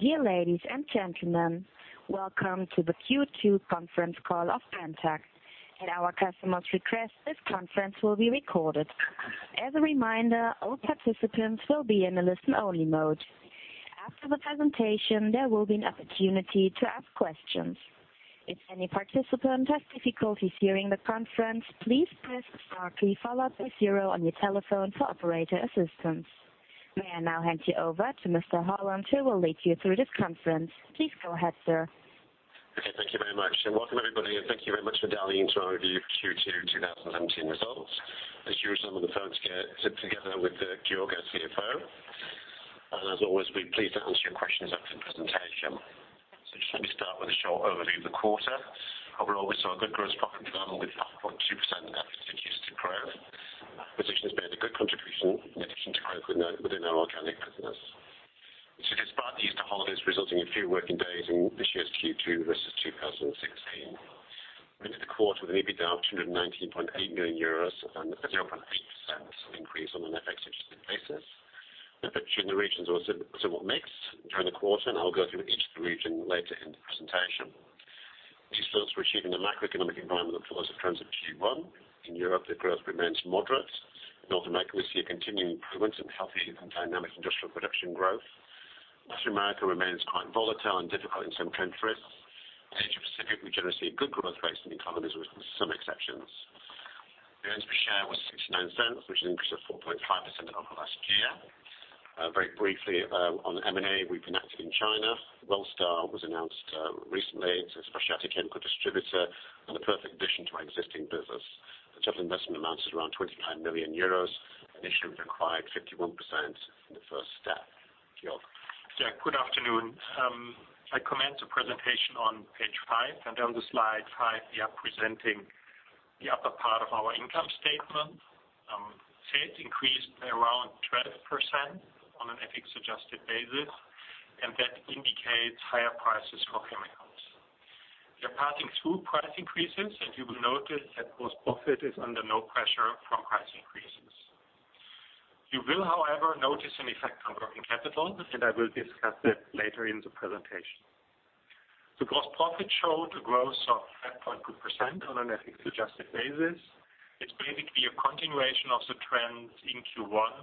Dear ladies and gentlemen. Welcome to the Q2 conference call of Brenntag. At our customer's request, this conference will be recorded. As a reminder, all participants will be in a listen-only mode. After the presentation, there will be an opportunity to ask questions. If any participant has difficulties hearing the conference, please press star key followed by zero on your telephone for operator assistance. May I now hand you over to Mr. Holland, who will lead you through this conference. Please go ahead, sir. Okay. Thank you very much and welcome everybody, thank you very much for dialing into our review for Q2 2017 results. As usual, on the phone together with Georg, our CFO, and as always, we're pleased to answer your questions after the presentation. Just let me start with a short overview of the quarter. Overall, we saw a good gross profit development with 5.2% FX-adjusted growth. Acquisitions made a good contribution in addition to growth within our organic business. Despite the Easter holidays resulting in fewer working days in this year's Q2 versus 2016. We entered the quarter with an EBITDA of 219.8 million euros and a 0.8% increase on an FX-adjusted basis. The picture in the regions was somewhat mixed during the quarter, I'll go through each region later in the presentation. These results were achieved in a macroeconomic environment that follows the trends of Q1. In Europe, the growth remains moderate. In North America, we see a continuing improvement in healthy and dynamic industrial production growth. Latin America remains quite volatile and difficult in some countries. Asia Pacific, we generally see good growth rates in economies with some exceptions. Earnings per share was 0.69, which is an increase of 4.5% over last year. Very briefly, on M&A, we've been active in China. Wellstar was announced recently. It's a specialty chemical distributor and a perfect addition to our existing business. The total investment amount is around 25 million euros. Initially, we've acquired 51% in the first step. Georg. Yeah. Good afternoon. I commence the presentation on page five, on the slide five, we are presenting the upper part of our income statement. Sales increased by around 12% on an FX-adjusted basis, that indicates higher prices for chemicals. We are passing through price increases, you will notice that gross profit is under no pressure from price increases. You will, however, notice an effect on working capital, I will discuss that later in the presentation. The gross profit showed a growth of 5.2% on an FX-adjusted basis. It's basically a continuation of the trend in Q1,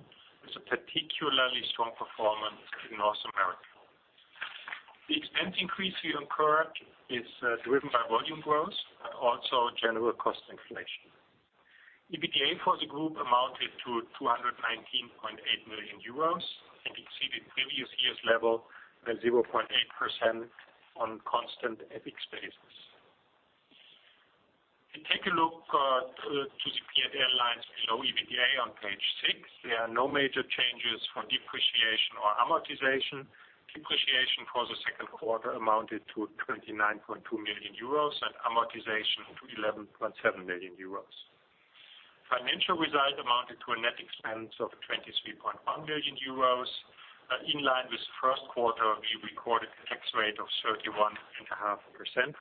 with a particularly strong performance in North America. The expense increase we incurred is driven by volume growth, also general cost inflation. EBITDA for the group amounted to 219.8 million euros and exceeded previous year's level by 0.8% on constant FX basis. If we take a look to the P&L lines below EBITDA on page six, there are no major changes for depreciation or amortization. Depreciation for the second quarter amounted to 29.2 million euros and amortization to 11.7 million euros. Financial result amounted to a net expense of 23.7 million euros. In line with the first quarter, we recorded a tax rate of 31.5%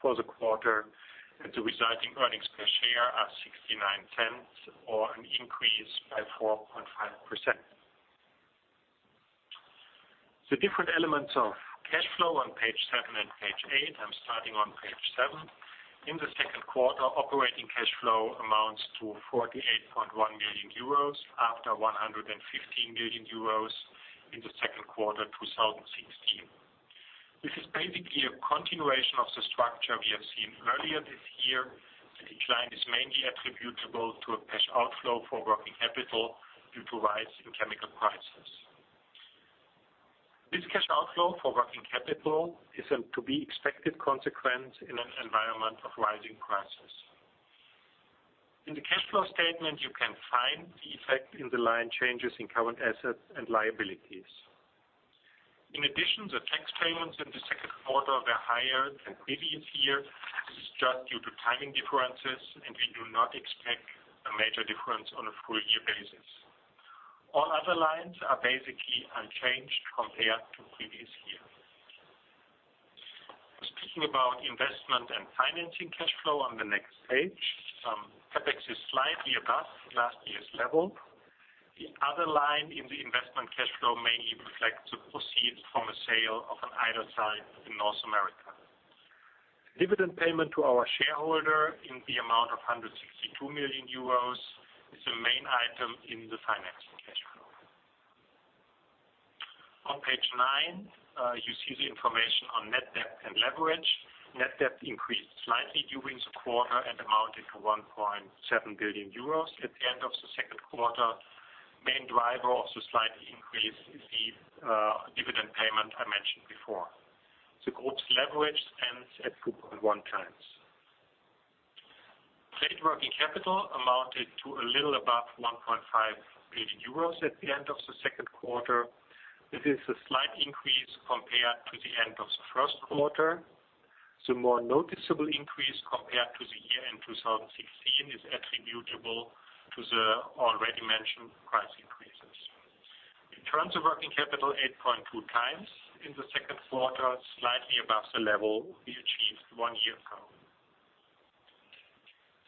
for the quarter, and the resulting earnings per share are 0.69 or an increase by 4.5%. The different elements of cash flow on page seven and page eight. I'm starting on page seven. In the second quarter, operating cash flow amounts to 48.1 million euros, after 115 million euros in the second quarter, 2016. This is basically a continuation of the structure we have seen earlier this year. The decline is mainly attributable to a cash outflow for working capital due to rise in chemical prices. This cash outflow for working capital is to be expected consequence in an environment of rising prices. In the cash flow statement, you can find the effect in the line changes in current assets and liabilities. In addition, the tax payments in the second quarter were higher than previous year. This is just due to timing differences, and we do not expect a major difference on a full year basis. All other lines are basically unchanged compared to previous year. Speaking about investment and financing cash flow on the next page. CapEx is slightly above last year's level. The other line in the investment cash flow mainly reflects the proceeds from a sale of an idle site in North America. Dividend payment to our shareholder in the amount of 162 million euros is the main item in the financing cash flow. On page nine, you see the information on net debt and leverage. Net debt increased slightly during the quarter and amounted to 1.7 billion euros at the end of the second quarter. Main driver of the slight increase is the dividend payment I mentioned before. The group's leverage stands at 2.1 times. Trade working capital amounted to a little above 1.5 billion euros at the end of the second quarter. This is a slight increase compared to the end of the first quarter. The more noticeable increase compared to the year-end 2016 is attributable to the already mentioned price increases. In terms of working capital, 8.2 times in the second quarter, slightly above the level we achieved one year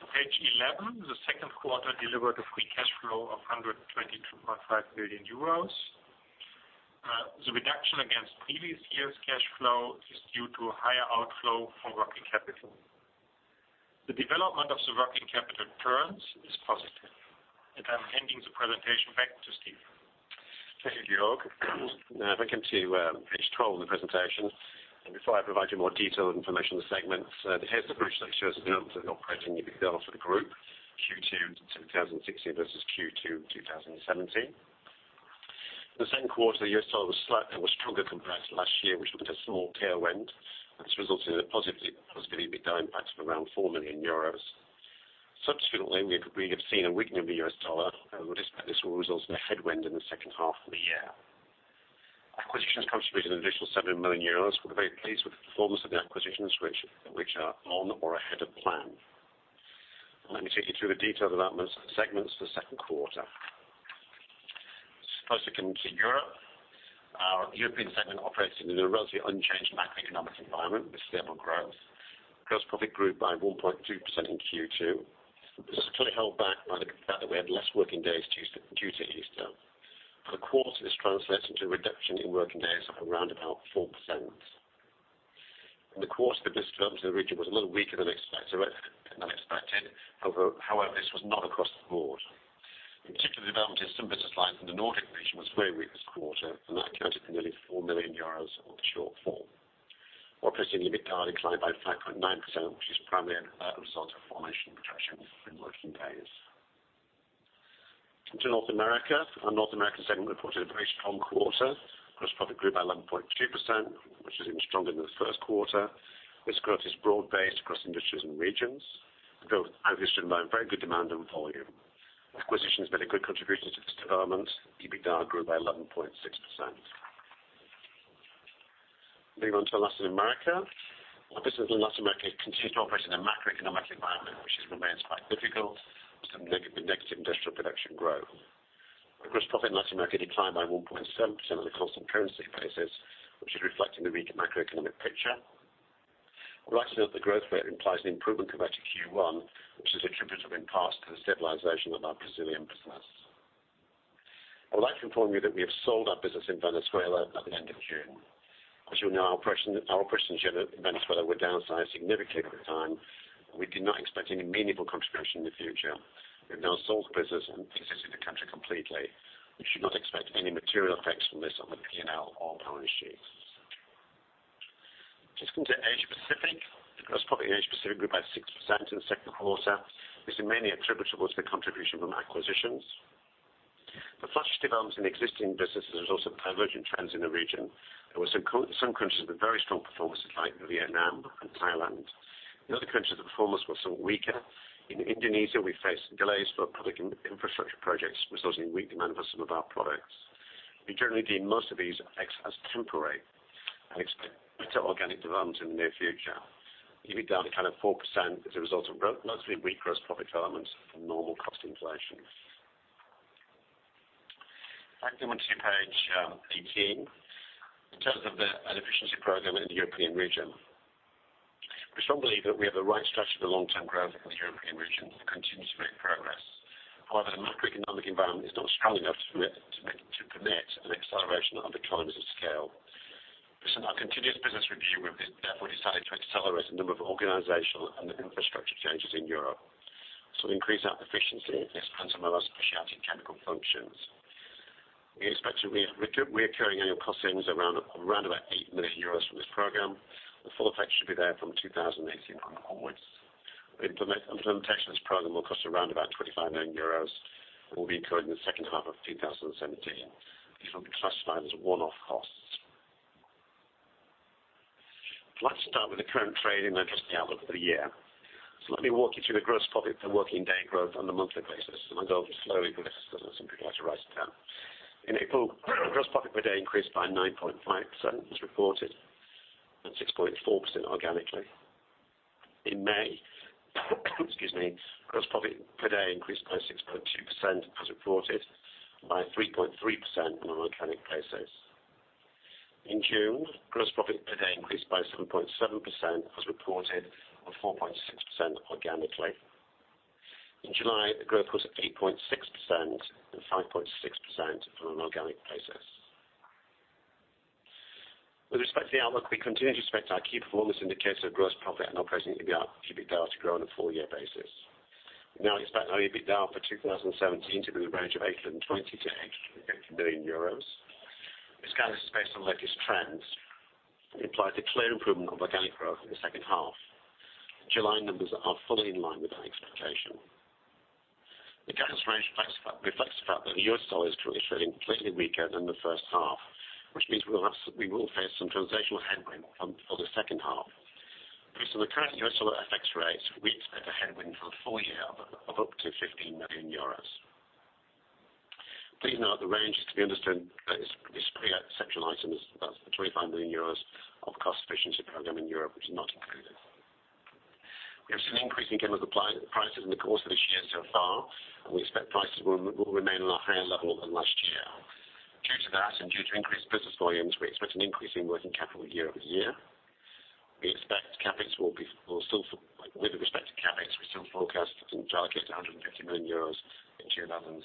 before. The second quarter delivered a free cash flow of 122.5 million euros. The reduction against previous year's cash flow is due to higher outflow from working capital. The development of the working capital turns is positive. I'm handing the presentation back to Steve. Thank you, Georg. Now if we come to page 12 in the presentation. Before I provide you more detailed information on the segments, here is the page that shows the net operating EBITDA for the group, Q2 2016 versus Q2 2017. The second quarter, the US dollar was slightly more stronger compared to last year, which looked at a small tailwind, and this resulted in a positive EBITDA impact of around 4 million euros. Subsequently, we have seen a weakening of the US dollar. We'd expect this will result in a headwind in the second half of the year. Acquisitions contributed an additional 7 million euros. We are very pleased with the performance of the acquisitions which are on or ahead of plan. Let me take you through the detailed developments of the segments for the second quarter. First, we come to Europe. Our European segment operates in a relatively unchanged macroeconomic environment with stable growth. Gross profit grew by 1.2% in Q2. This is clearly held back by the fact that we had less working days due to Easter. For the quarter, this translates into a reduction in working days of around about 4%. In the quarter, the business development in the region was a little weaker than expected. However, this was not across the board. In particular, the development in some business lines in the Nordic region was very weak this quarter, and that accounted for nearly 4 million euros of the shortfall. Operating EBITDA declined by 5.9%, which is primarily a result of foreign exchange and working days. On to North America. Our North American segment reported a very strong quarter. Gross profit grew by 11.2%, which is even stronger than the first quarter. This growth is broad based across industries and regions and driven by very good demand and volume. Acquisitions made a good contribution to this development. EBITDA grew by 11.6%. Moving on to Latin America. Our business in Latin America continues to operate in a macroeconomic environment which remains quite difficult with negative industrial production growth. Our gross profit in Latin America declined by 1.7% on a constant currency basis, which is reflecting the weaker macroeconomic picture. We recognize that the growth rate implies an improvement compared to Q1, which is attributable in part to the stabilization of our Brazilian business. I would like to inform you that we have sold our business in Venezuela at the end of June. As you know, our operations in Venezuela were downsized significantly at the time. We do not expect any meaningful contribution in the future. We have now sold the business in the country completely. We should not expect any material effects from this on the P&L or balance sheet. Just come to Asia Pacific. Gross profit in Asia Pacific grew by 6% in the second quarter. This is mainly attributable to the contribution from acquisitions. The flash developments in existing businesses result in divergent trends in the region. There were some countries with very strong performances like Vietnam and Thailand. In other countries, the performance was weaker. In Indonesia, we faced delays for public infrastructure projects, resulting in weak demand for some of our products. We generally deem most of these effects as temporary and expect better organic development in the near future. EBITDA declined 4% as a result of mostly weak gross profit development and normal cost inflation. Taking you to page 18. In terms of the efficiency program in the European region. We strongly believe that we have the right strategy for long-term growth in the European region and continue to make progress. However, the macroeconomic environment is not strong enough to permit an acceleration of the current scale. Based on our continuous business review, we have therefore decided to accelerate a number of organizational and infrastructure changes in Europe. We increase our efficiency and some of our specialty chemical functions. We expect recurring annual cost savings around about 8 million euros from this program. The full effect should be there from 2018 onwards. The implementation of this program will cost around about 25 million euros and will be incurred in the second half of 2017. These will be classified as one-off costs. I start with the current trading and address the outlook for the year. Let me walk you through the gross profit and working day growth on a monthly basis. I might go over slowly for those who would like to write it down. In April, gross profit per day increased by 9.5% as reported and 6.4% organically. In May, excuse me. Gross profit per day increased by 6.2% as reported, by 3.3% on an organic basis. In June, gross profit per day increased by 7.7% as reported or 4.6% organically. In July, the growth was 8.6% and 5.6% on an organic basis. With respect to the outlook, we continue to expect our key performance indicators of gross profit and operating EBITDA to grow on a full-year basis. We now expect our EBITDA for 2017 to be in the range of 820 million-850 million euros. This guidance is based on latest trends and implies a clear improvement of organic growth in the second half. July numbers are fully in line with our expectation. The guidance range reflects the fact that the US dollar is currently trading slightly weaker than the first half, which means we will face some transitional headwind for the second half. Based on the current US dollar FX rates, we expect a headwind for the full year of up to 15 million euros. Please note the range is to be understood that it's pre-exceptional items. That's the 25 million euros of cost efficiency program in Europe, which is not included. We have seen an increase in chemical prices in the course of this year so far, and we expect prices will remain on a higher level than last year. Due to that, due to increased business volumes, we expect an increase in working capital year-over-year. With respect to CapEx, we still forecast to allocate 150 million euros in 2017.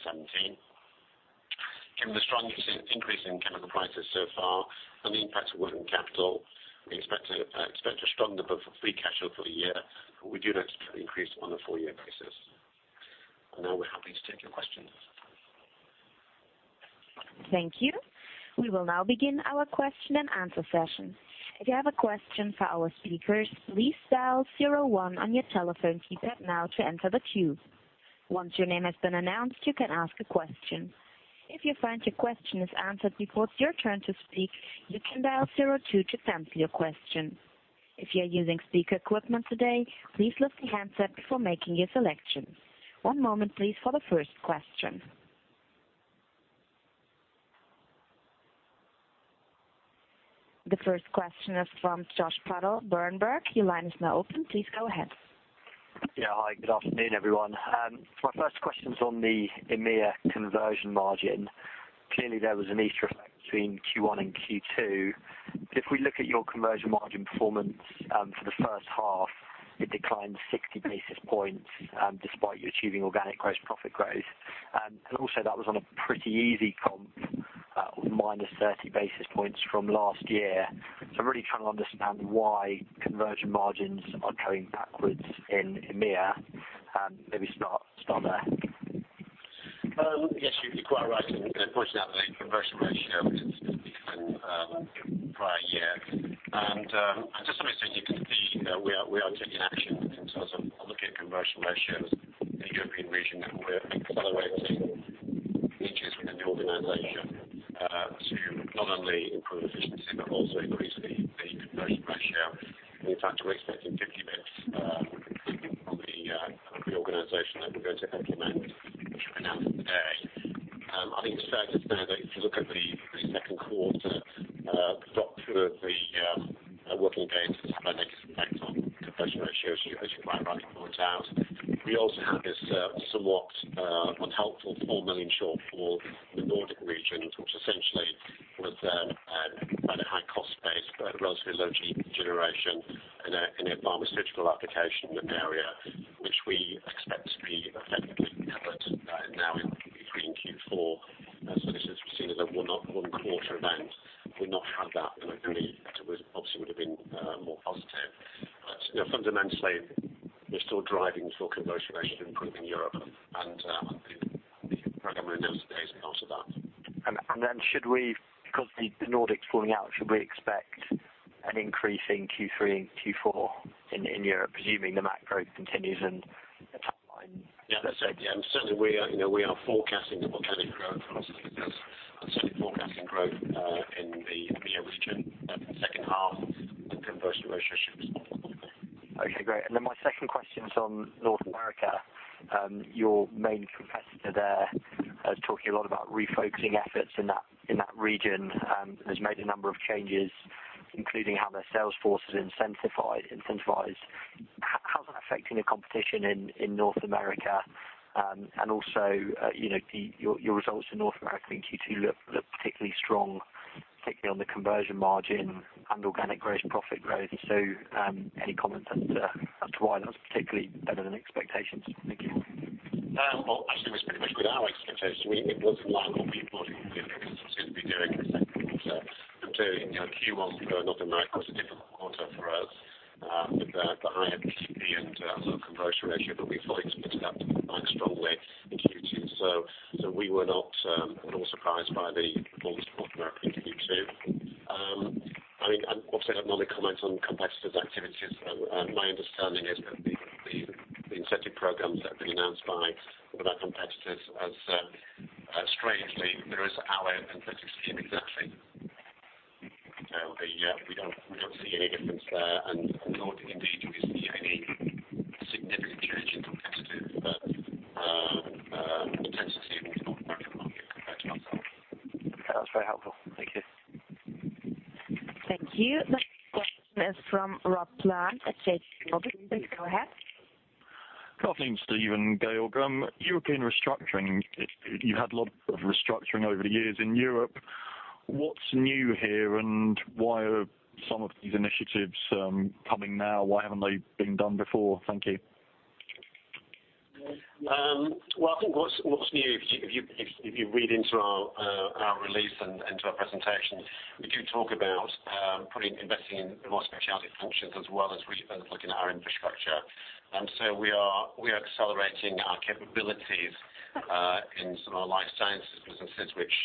Given the strong increase in chemical prices so far and the impact of working capital, we expect a stronger book for free cash flow for the year, but we do not expect an increase on a full year basis. Now we're happy to take your questions. Thank you. We will now begin our question and answer session. If you have a question for our speakers, please dial 01 on your telephone keypad now to enter the queue. Once your name has been announced, you can ask a question. If you find your question is answered before it's your turn to speak, you can dial 02 to cancel your question. If you are using speaker equipment today, please lift the handset before making your selection. One moment please, for the first question. The first question is from Jaideep Pandya, Berenberg. Your line is now open. Please go ahead. Yeah. Hi, good afternoon, everyone. My first question's on the EMEA conversion margin. Clearly, there was an Easter effect between Q1 and Q2. If we look at your conversion margin performance for the first half, it declined 60 basis points despite you achieving organic gross profit growth. Also, that was on a pretty easy comp, minus 30 basis points from last year. I'm really trying to understand why conversion margins are going backwards in EMEA. Maybe start there. Yes, you'd be quite right. Unfortunately, conversion ratio is down from prior year. Just so I say, we are taking action in terms of looking at conversion ratios in the European region, and we're accelerating initiatives within the organization to not only improve efficiency but also increase the conversion ratio. In fact, we're expecting 50 basis points from the reorganization that we're going to implement, which we announced today. I think it's fair to say that if you look at the second quarter, the lock through of the working days had a negative effect on conversion ratio, as you quite rightly point out. We also had this somewhat unhelpful 4 million shortfall in the Nordic region, which essentially was around a high cost base, but a relatively low heat generation in a pharmaceutical application area. Which we expect to be effectively covered now in Q4, so this is seen as a one quarter event. Had we not had that, agree, it obviously would have been more positive. Fundamentally, we're still driving for conversion ratio improvement in Europe, the program we announced today is part of that. Because the Nordic's falling out, should we expect an increase in Q3 and Q4 in Europe? Presuming the macro continues and the timeline. That's it. Certainly, we are forecasting that we'll get a growth for us. Certainly forecasting growth in the EMEA region second half. The conversion ratio should respond. Okay, great. My second question is on North America. Your main competitor there is talking a lot about refocusing efforts in that region, and has made a number of changes, including how their sales force is incentivized. How is that affecting the competition in North America? Your results in North America in Q2 look particularly strong, particularly on the conversion margin and organic gross profit growth. Any comments as to why that was particularly better than expectations? Thank you. Well, actually, we're pretty much with our expectations. It was in line with what we thought the business was going to be doing in the second quarter. Q1 for North America was a difficult quarter for us with the higher PP&S conversion ratio, but we fully expected that to come back strongly in Q2. We were not at all surprised by the performance of North America in Q2. Obviously, I don't normally comment on competitors' activities. My understanding is that the incentive programs that have been announced by one of our competitors, strangely mirrors our incentive scheme exactly. We don't see any difference there. Nor indeed do we see any significant change in competitive intensity within the North American market compared to ourselves. That's very helpful. Thank you. Thank you. Next question is from Rob Plant at JPMorgan. Please go ahead. Good afternoon, Steve and Georg. European restructuring. You've had a lot of restructuring over the years in Europe. What's new here, and why are some of these initiatives coming now? Why haven't they been done before? Thank you. Well, I think what's new, if you read into our release and to our presentation, we do talk about investing in more specialty functions as well as looking at our infrastructure. We are accelerating our capabilities in some of our life sciences businesses, which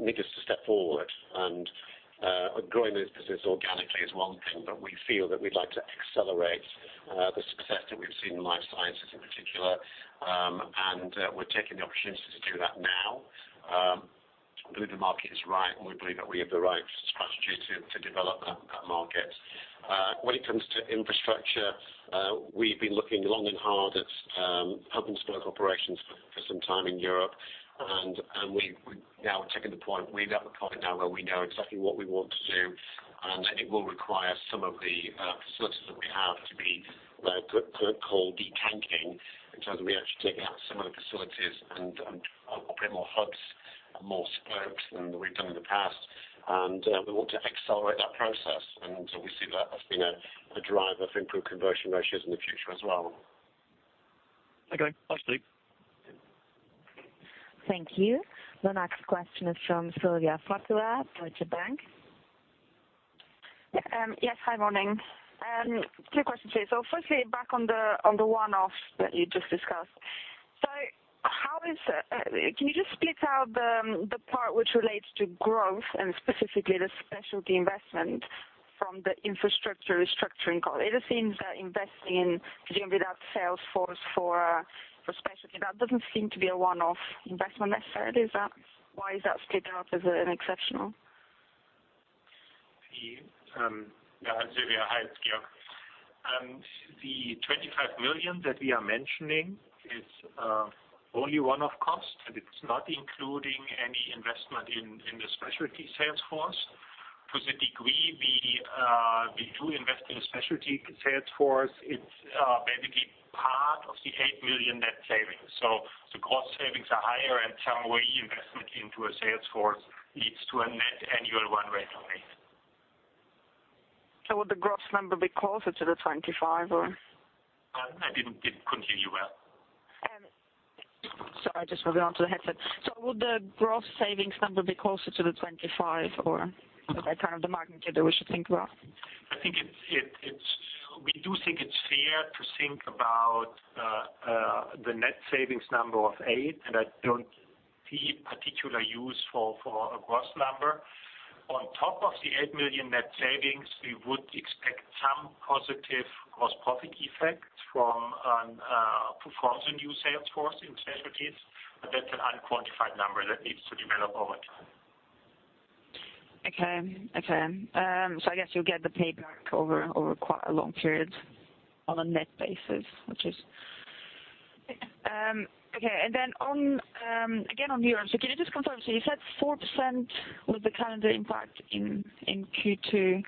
makes us a step forward. Growing this business organically is one thing, but we feel that we'd like to accelerate the success that we've seen in life sciences in particular. We're taking the opportunity to do that now. We believe the market is right, and we believe that we have the right strategy to develop that market. When it comes to infrastructure, we've been looking long and hard at hub and spoke operations for some time in Europe. We're at the point now where we know exactly what we want to do, and it will require some of the facilities that we have to be what I call detanking. In terms of we actually taking out some of the facilities and operate more hubs and more spokes than we've done in the past. We want to accelerate that process. We see that as being a driver of improved conversion ratios in the future as well. Okay. Thanks, Steve. Thank you. The next question is from Silvia Pozzi at Deutsche Bank. Yes. Hi, morning. Two questions for you. Firstly, back on the one-off that you just discussed. Can you just split out the part which relates to growth and specifically the specialty investment from the infrastructure restructuring cost? It seems that investing in building that sales force for specialty, that doesn't seem to be a one-off investment necessarily. Why is that split up as an exceptional? Silvia, hi, it's Georg. The 25 million that we are mentioning is only one-off cost, and it's not including any investment in the specialty sales force. To the degree we do invest in a specialty sales force, it's basically part of the 8 million net savings. The cost savings are higher and some re-investment into a sales force leads to a net annual one-way savings. Would the gross number be closer to the 25 million or? I didn't continue you well. Sorry, just moving on to the headset. Would the gross savings number be closer to the 25 million or is that kind of the magnitude that we should think we are? We do think it's fair to think about the net savings number of eight. I don't see particular use for a gross number. On top of the 8 million net savings, we would expect some positive gross profit effect from the new sales force in specialties. That's an unquantified number that needs to develop over time. Okay. I guess you'll get the payback over quite a long period on a net basis. Okay. Then, again on Europe. Can you just confirm, you said 4% was the calendar impact in Q2.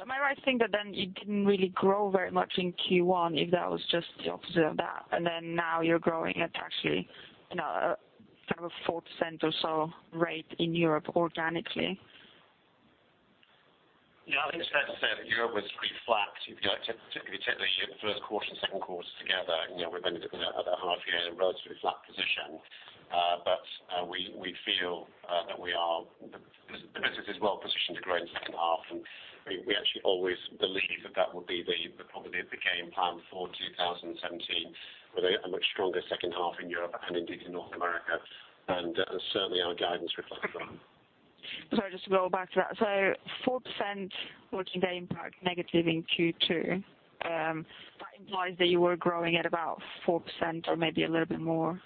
Am I right in thinking that then you didn't really grow very much in Q1, if that was just the opposite of that, and then now you're growing at actually, kind of a 4% or so rate in Europe organically? Yeah, I think it's fair to say that Europe was pretty flat. If you take the first quarter and second quarters together, we're then looking at a half year in a relatively flat position. We feel that the business is well positioned to grow in the second half, and we actually always believed that would be the probably the game plan for 2017, with a much stronger second half in Europe and indeed in North America. Certainly our guidance reflects that. Sorry, just to go back to that. 4% working day impact negative in Q2. That implies that you were growing at about 4% or maybe a little bit more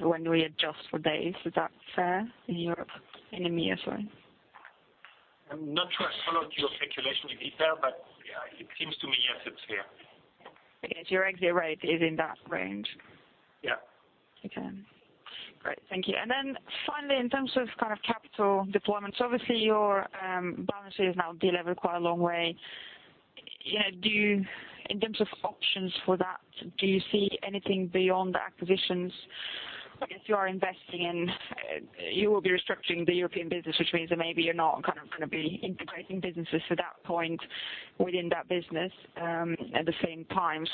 when we adjust for days. Is that fair in Europe, in EMEA, sorry? I'm not sure I followed your calculation in detail, but it seems to me, yes, it's fair. Okay. Your exit rate is in that range. Yeah. Okay. Great. Thank you. Finally, in terms of capital deployment, obviously your balance sheet is now delevered quite a long way. In terms of options for that, do you see anything beyond the acquisitions? You will be restructuring the European business, which means that maybe you're not going to be integrating businesses at that point within that business at the same time.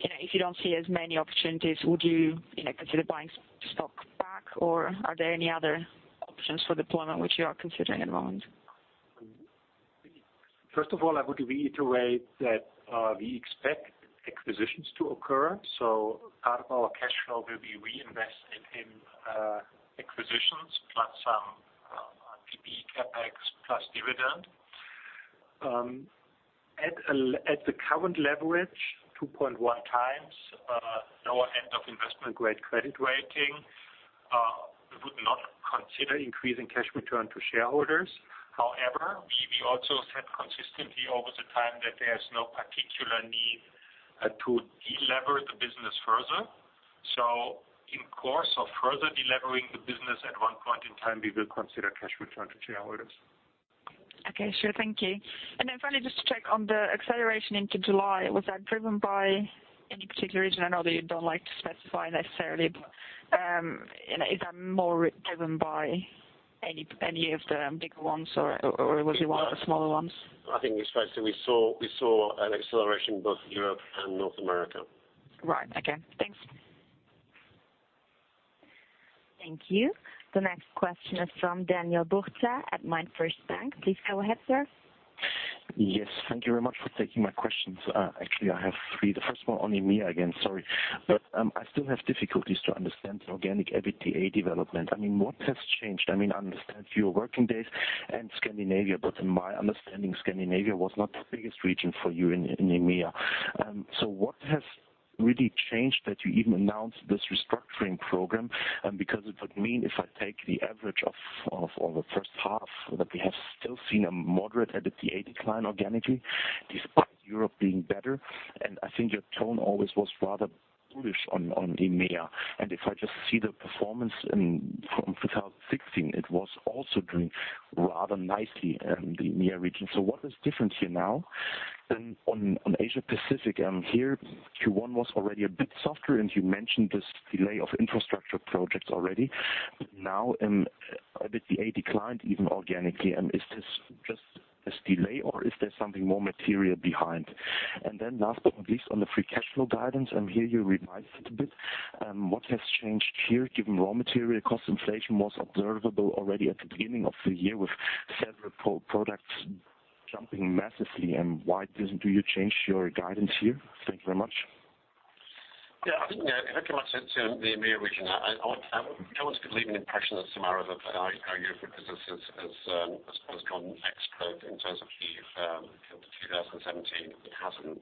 If you don't see as many opportunities, would you consider buying stock back, or are there any other options for deployment which you are considering at the moment? First of all, I would reiterate that we expect acquisitions to occur. Part of our cash flow will be reinvested in acquisitions, plus some PP CapEx plus dividend. At the current leverage, 2.1 times, lower end of investment grade credit rating, we would not consider increasing cash return to shareholders. However, we also said consistently over the time that there is no particular need to delever the business further. In course of further delevering the business, at one point in time, we will consider cash return to shareholders. Okay, sure. Thank you. Finally, just to check on the acceleration into July, was that driven by any particular reason? I know that you don't like to specify necessarily, but is that more driven by any of the bigger ones, or it was one of the smaller ones? I think it's fair to say we saw an acceleration in both Europe and North America. Right. Okay. Thanks. Thank you. The next question is from Daniel Buchta at MainFirst Bank. Please go ahead, sir. Yes. Thank you very much for taking my questions. Actually, I have three. The first one on EMEA again, sorry. I still have difficulties to understand the organic EBITDA development. What has changed? I understand fewer working days and Scandinavia. In my understanding, Scandinavia was not the biggest region for you in EMEA. What has really changed that you even announced this restructuring program? It would mean if I take the average of the first half, that we have still seen a moderate EBITDA decline organically despite Europe being better. I think your tone always was rather bullish on EMEA. If I just see the performance from 2016, it was also doing rather nicely in the EMEA region. What is different here now? On Asia Pacific, here Q1 was already a bit softer and you mentioned this delay of infrastructure projects already. EBITDA declined even organically. Is this just this delay or is there something more material behind? Last but not least, on the free cash flow guidance, here you revised it a bit. What has changed here given raw material cost inflation was observable already at the beginning of the year with several products jumping massively and why do you change your guidance here? Thank you very much. If I come back to the EMEA region, I don't want to give the impression that [Samar], our European business, has gone expo in terms of Q2 2017. It hasn't.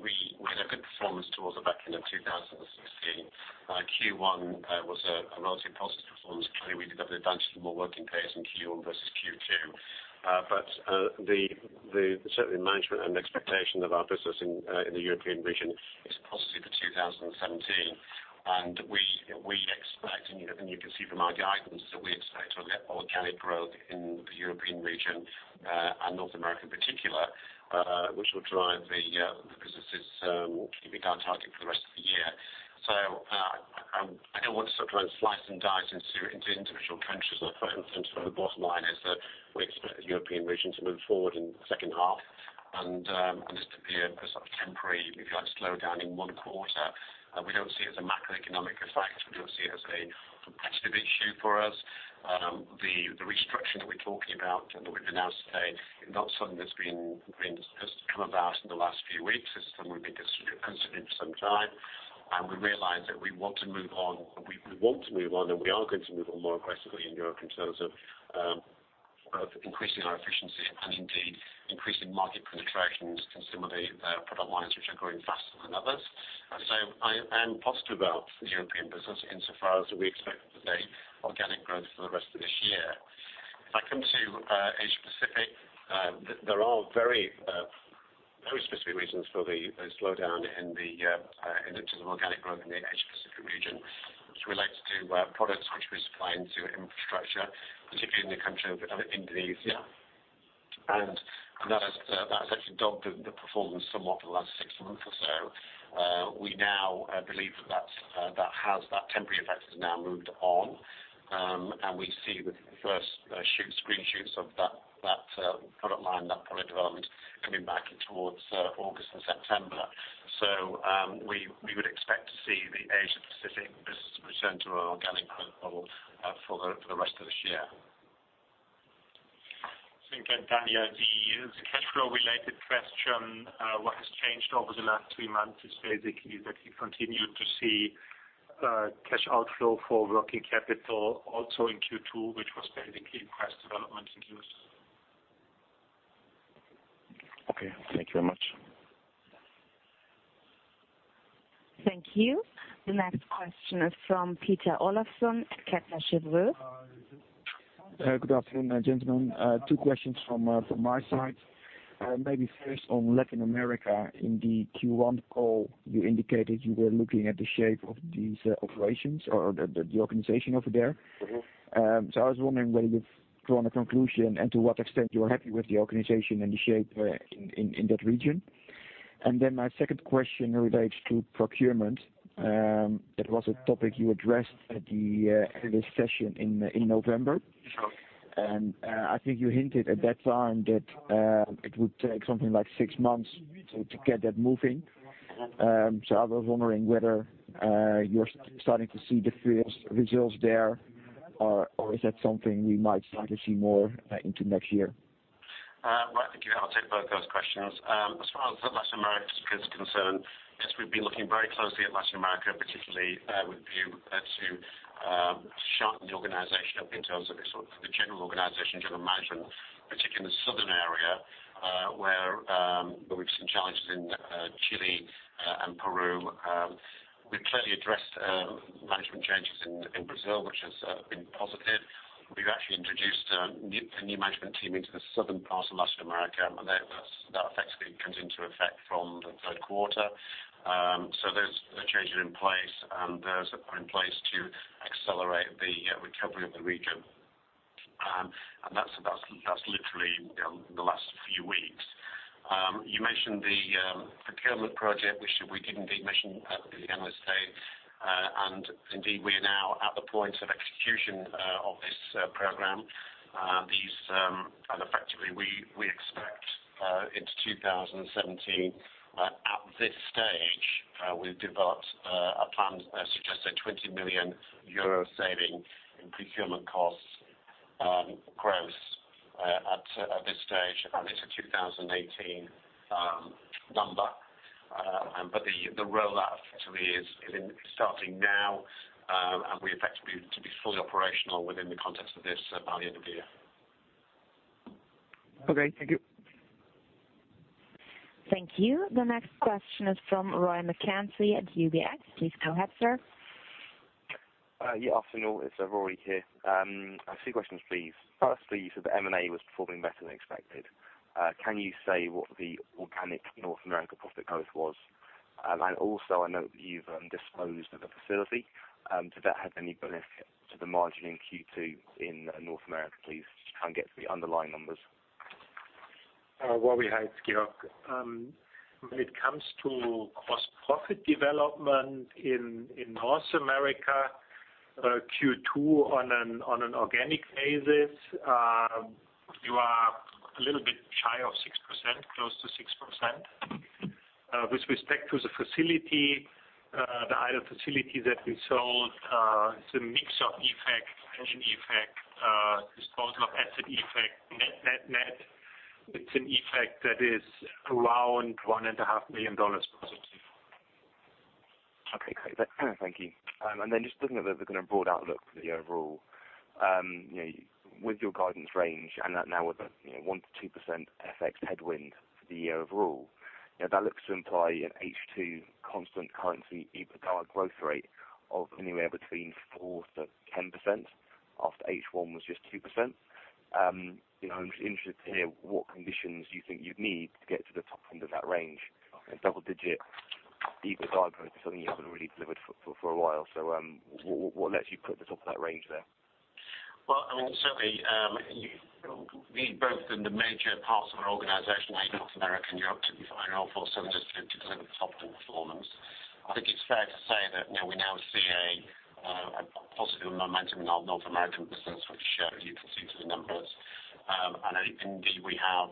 We had a good performance towards the back end of 2016. Q1 was a relatively positive performance. Clearly, we did have the advantage of more working days in Q1 versus Q2. Certainly management and expectation of our business in the European region is positive for 2017. We expect, and you can see from our guidance, that we expect organic growth in the European region, and North America in particular, which will drive the businesses we'll keep you guys targeted for the rest of the year. I don't want to slice and dice into individual countries. In terms of the bottom line is that we expect the European region to move forward in the second half and this to be a sort of temporary, if you like, slowdown in one quarter. We don't see it as a macroeconomic effect. We don't see it as a competitive issue for us. The restructure that we're talking about and that we've announced today is not something that has come about in the last few weeks. It's something we've been considering for some time. We realize that we want to move on, and we are going to move on more aggressively in Europe in terms of both increasing our efficiency and indeed increasing market penetrations into some of the product lines which are growing faster than others. I am positive about the European business insofar as we expect organic growth for the rest of this year. If I come to Asia Pacific, there are very specific reasons for the slowdown in the terms of organic growth in the Asia Pacific region, which relates to products which we supply into infrastructure, particularly in the country of Indonesia. That has actually dogged the performance somewhat for the last 6 months or so. We now believe that temporary effect has now moved on, and we see the first green shoots of that product line, that product development coming back in towards August and September. We would expect to see the Asia Pacific business return to our organic growth model for the rest of this year. I think Daniel, the cash flow related question, what has changed over the last 3 months is basically that we continue to see cash outflow for working capital also in Q2, which was basically price development in Q1. Okay. Thank you very much. Thank you. The next question is from Peter Olofsson at Kepler Cheuvreux. Good afternoon, gentlemen. Two questions from my side. Maybe first on Latin America. In the Q1 call, you indicated you were looking at the shape of these operations or the organization over there. I was wondering whether you've drawn a conclusion and to what extent you are happy with the organization and the shape in that region. My second question relates to procurement. That was a topic you addressed at the analyst session in November. I think you hinted at that time that it would take something like six months to get that moving. I was wondering whether you're starting to see the first results there, or is that something we might start to see more into next year? Right. Thank you. I'll take both those questions. As far as Latin America is concerned, yes, we've been looking very closely at Latin America, particularly with a view to sharpen the organization up in terms of the general organization if you can imagine, particularly in the southern area, where we've seen challenges in Chile and Peru. We've clearly addressed management changes in Brazil, which has been positive. We've actually introduced a new management team into the southern part of Latin America, and that effectively comes into effect from the third quarter. Those changes are in place, and those are in place to accelerate the recovery of the region. That's literally in the last few weeks. You mentioned the procurement project, which we did indeed mention at the analyst day. Indeed, we are now at the point of execution of this program. Effectively, we expect into 2017 at this stage, we've developed a plan that suggests a 20 million euro saving in procurement costs gross at this stage, and it's a 2018 number. The rollout effectively is starting now, and we expect to be fully operational within the context of this by the end of the year. Okay, thank you. Thank you. The next question is from Rory McKenzie at UBS. Please go ahead, sir. Yeah. Afternoon. It's Rory here. Two questions, please. Firstly, you said the M&A was performing better than expected. Can you say what the organic North America profit growth was? Also, I note that you've disposed of a facility. Did that have any benefit to the margin in Q2 in North America, please? Just trying to get to the underlying numbers. Well, we had, [Girish]. When it comes to gross profit development in North America, Q2 on an organic basis, you are a little bit shy of 6%, close to 6%. With respect to the facility, the idle facility that we sold, it's a mix of effect, disposal of asset effect, net. It's an effect that is around EUR 1.5 million positive. Okay, great. Thank you. Then just looking at the kind of broad outlook for the overall, with your guidance range and that now with the 1%-2% FX headwind for the year overall, that looks to imply an H2 constant currency EBITDA growth rate of anywhere between 4%-10%, after H1 was just 2%. I'm just interested to hear what conditions you think you'd need to get to the top end of that range. A double-digit EBITDA growth is something you haven't really delivered for a while. What lets you put the top of that range there? Well, certainly. We need both the major parts of our organization, North America and Europe, to be firing all four cylinders to deliver top-end performance. I think it's fair to say that, we now see a positive momentum in our North American business, which you can see through the numbers. Indeed, we have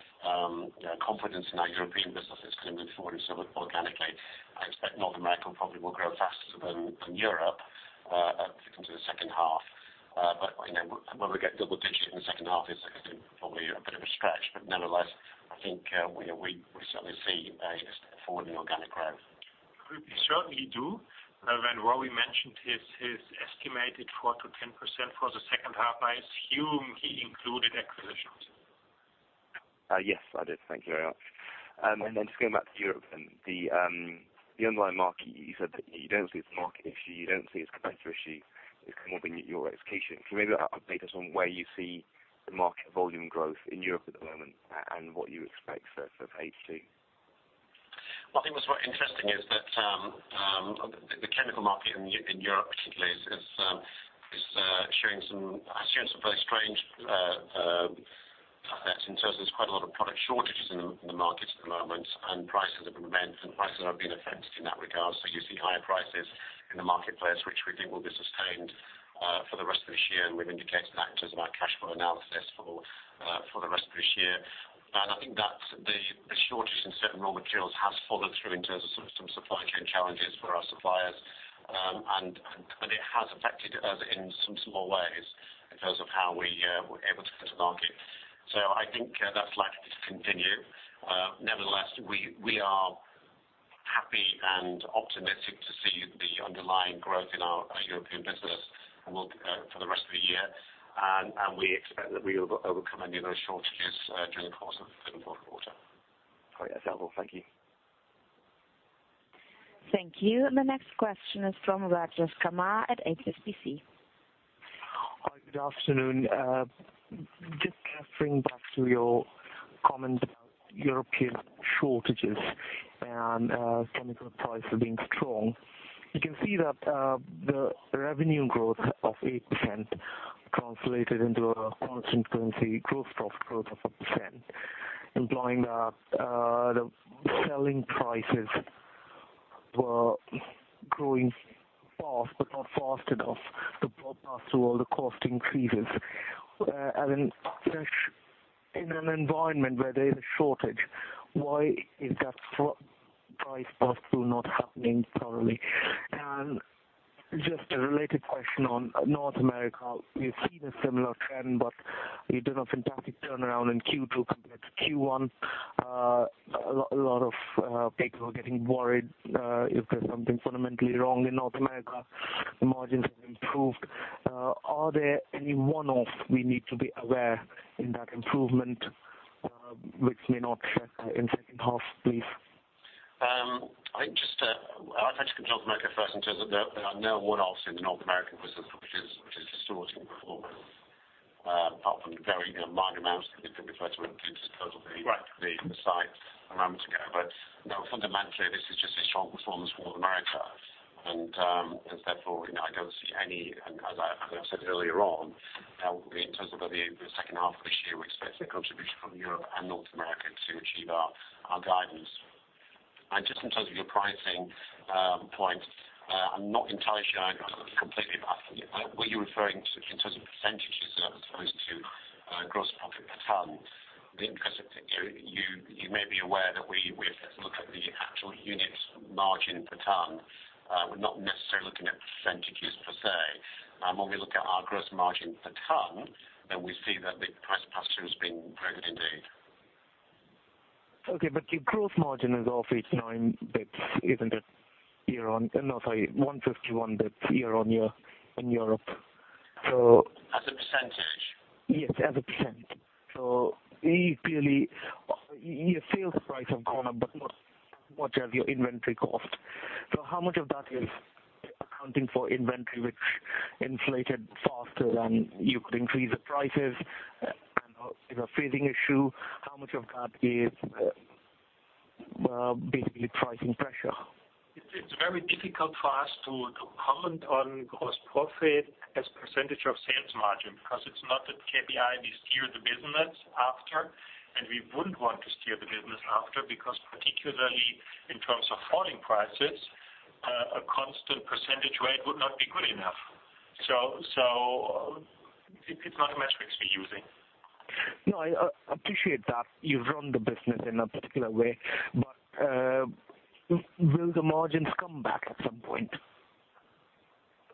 confidence in our European businesses going forward. Organically, I expect North America probably will grow faster than Europe into the second half. When we get double digits in the second half is probably a bit of a stretch. Nevertheless, I think we certainly see a forward in organic growth. We certainly do. When Rory mentioned his estimated 4%-10% for the second half, I assume he included acquisitions. Yes, I did. Thank you very much. Just going back to Europe then, the underlying market, you said that you don't see it as a market issue, you don't see it as a competitor issue. It's more been your execution. Can you maybe update us on where you see the market volume growth in Europe at the moment and what you expect for H2? Well, I think what's very interesting is that the chemical market in Europe particularly is showing some very strange effects in terms of there's quite a lot of product shortages in the market at the moment, and prices have been affected in that regard. You see higher prices in the marketplace, which we think will be sustained for the rest of this year. We've indicated that in terms of our cash flow analysis for the rest of this year. I think that the shortage in certain raw materials has followed through in terms of some supply chain challenges for our suppliers. It has affected us in some small ways in terms of how we're able to get to market. I think that's likely to continue. Nevertheless, we are happy and optimistic to see the underlying growth in our European business for the rest of the year. We expect that we will overcome any of those shortages during the course of the third and fourth quarter. All right. That's helpful. Thank you. Thank you. The next question is from Rajesh Kumar at HSBC. Good afternoon. Just kind of coming back to your comment about European shortages and chemical prices being strong. You can see that the revenue growth of 8% translated into a constant currency gross profit growth of a percent, implying that the selling prices were growing fast, but not fast enough to pass through all the cost increases. [Alan], in an environment where there is a shortage, why is that price pass through not happening thoroughly? Just a related question on North America, we've seen a similar trend, but you did a fantastic turnaround in Q2 compared to Q1. A lot of people are getting worried if there's something fundamentally wrong in North America. The margins have improved. Are there any one-offs we need to be aware in that improvement, which may not check in second half, please? I think I'd like to come to North America first in terms of there are no one-offs in the North American business, which is distorting performance apart from very minor amounts that we referred to in terms of. Right the site a moment ago. No, fundamentally, this is just a strong performance for North America, and therefore, I don't see any, as I said earlier on, in terms of the second half of this year, we expect a contribution from Europe and North America to achieve our guidance. Just in terms of your pricing point, I'm not entirely sure I completely, were you referring to in terms of percentages as opposed to gross profit per ton? Because you may be aware that we look at the actual units margin per ton. We're not necessarily looking at percentages per se. When we look at our gross margin per ton, then we see that the price pass through has been great indeed. Okay, your gross margin is off eight, nine basis points, isn't it? No, sorry, 151 basis points year-over-year in Europe. As a percentage? Yes, as a %. Clearly, your sales price have gone up, not as much as your inventory cost. How much of that is accounting for inventory, which inflated faster than you could increase the prices and is a phasing issue. How much of that is basically pricing pressure? It's very difficult for us to comment on gross profit as a % of sales margin because it's not a KPI we steer the business after, we wouldn't want to steer the business after, because particularly in terms of falling prices, a constant % rate would not be good enough. It's not a metric we're using. No, I appreciate that you've run the business in a particular way, but will the margins come back at some point?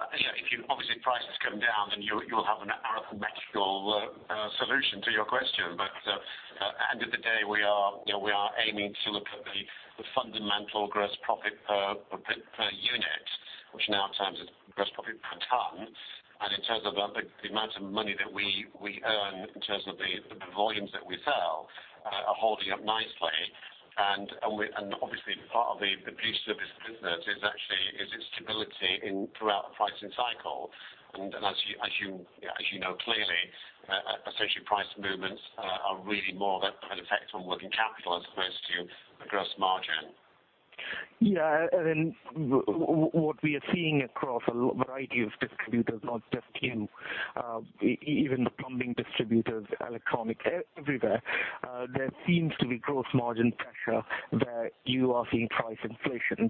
Obviously, if prices come down, you'll have an arithmetical solution to your question. At the end of the day, we are aiming to look at the fundamental gross profit per unit, which nowadays is gross profit per ton. In terms of the amount of money that we earn in terms of the volumes that we sell, are holding up nicely. Obviously, part of the beauty of this business is actually its stability throughout the pricing cycle. As you know clearly, essentially price movements are really more of an effect on working capital as opposed to a gross margin. Yeah. What we are seeing across a variety of distributors, not just you, even the plumbing distributors, electronics, everywhere, there seems to be gross margin pressure where you are seeing price inflation.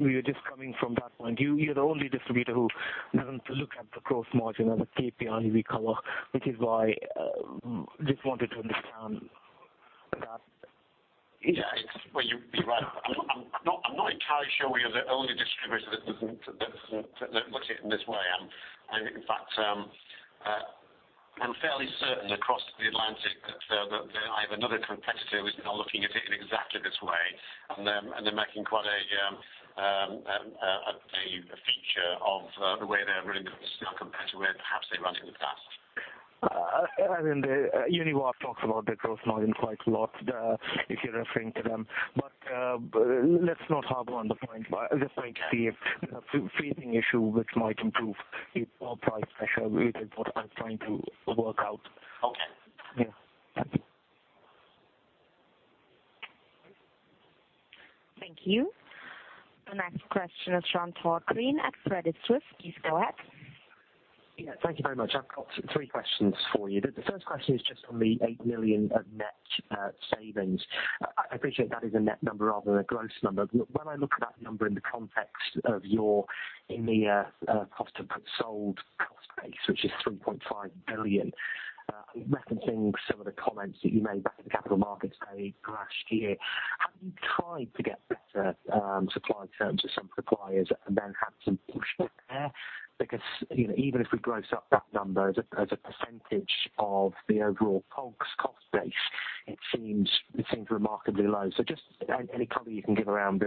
We were just coming from that point. You're the only distributor who doesn't look at the gross margin as a KPI we cover, which is why I just wanted to understand that. Yeah. Well, you're right. I'm not entirely sure we are the only distributor that doesn't look at it in this way. In fact, I'm fairly certain across the Atlantic that I have another competitor who is now looking at it in exactly this way, and they're making quite a feature of the way they're running the business now compared to perhaps they ran it in the past. Univar talks about their gross margin quite a lot, if you're referring to them. Let's not harbor on the point. I'd just like to see if there's a phasing issue which might improve it or price pressure is what I'm trying to work out. Okay. Yeah. Thank you. Thank you. The next question is from Todd Green at Credit Suisse. Please go ahead. Yeah, thank you very much. I've got three questions for you. The first question is just on the 8 million of net savings. I appreciate that is a net number rather than a gross number. When I look at that number in the context of your EMEA cost of goods sold cost base, which is 3.5 billion. Referencing some of the comments that you made back at the Capital Markets Day last year. Have you tried to get better supply terms with some suppliers and then had some pushback there? Because even if we gross up that number as a percentage of the overall COGS cost base, it seems remarkably low. Just any color you can give around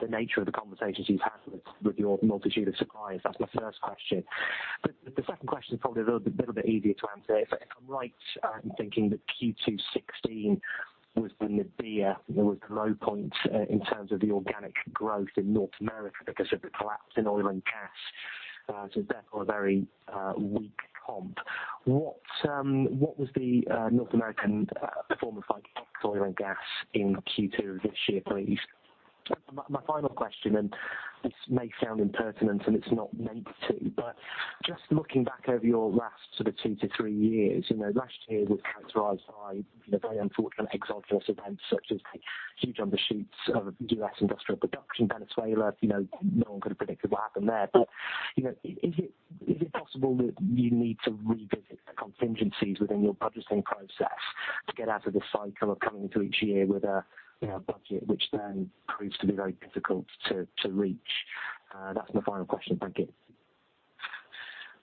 the nature of the conversations you've had with your multitude of suppliers. That's my first question. The second question is probably a little bit easier to answer. If I'm right in thinking that Q2 2016 was when the EMEA was the low point in terms of the organic growth in North America because of the collapse in oil and gas. Therefore, a very weak comp. What was the North American performance like ex oil and gas in Q2 of this year, please? My final question, and this may sound impertinent, and it's not meant to, but just looking back over your last sort of two to three years. Last year was characterized by very unfortunate exogenous events such as huge undershoots of U.S. industrial production, Venezuela. No one could have predicted what happened there. Is it possible that you need to revisit the contingencies within your budgeting process to get out of this cycle of coming into each year with a budget which then proves to be very difficult to reach? That's my final question. Thank you.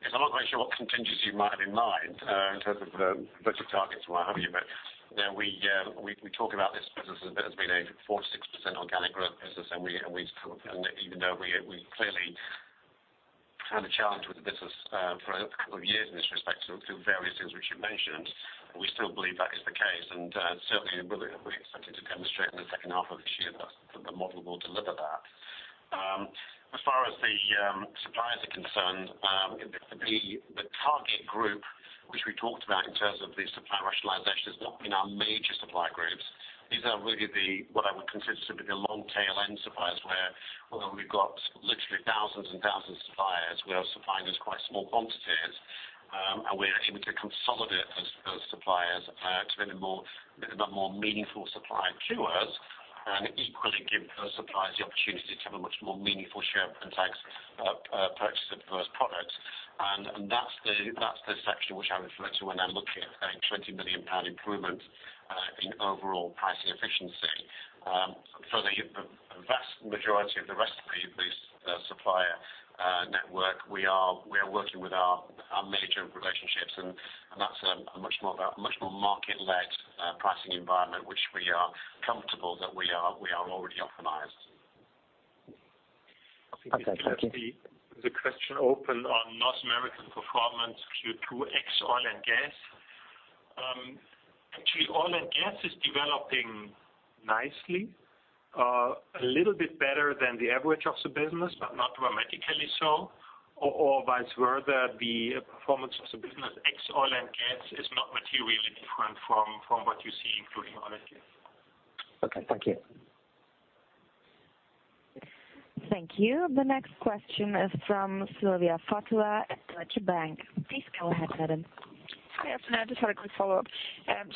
Yes. I'm not quite sure what contingency you might have in mind in terms of budget targets, but we talk about this business as being a four to six percent organic growth business. Even though we clearly had a challenge with the business for a couple of years in this respect through various things which you mentioned, we still believe that is the case, and certainly we're expecting to demonstrate in the second half of this year that the model will deliver that. As far as the suppliers are concerned, the target group which we talked about in terms of the supply rationalization has not been our major supplier groups. These are really what I would consider to be the long-tail end suppliers where although we've got literally thousands and thousands of suppliers, we are supplying those quite small quantities, and we are able to consolidate those suppliers to be a more meaningful supplier to us and equally give those suppliers the opportunity to have a much more meaningful share of Brenntag's purchase of those products. That's the section which I refer to when I look at a EUR 20 million improvement in overall pricing efficiency. For the vast majority of the rest of the supplier network, we are working with our major relationships, and that's a much more market-led pricing environment which we are comfortable that we are already optimized. Okay. Thank you. I think you left the question open on North American performance Q2 ex oil and gas. Actually, oil and gas is developing nicely. A little bit better than the average of the business, but not dramatically so, or vice versa, the performance of the business ex oil and gas is not materially different from what you see including oil and gas. Okay. Thank you. Thank you. The next question is from Silvia Fortler at Deutsche Bank. Please go ahead, madam. Hi. Afternoon. Just had a quick follow-up.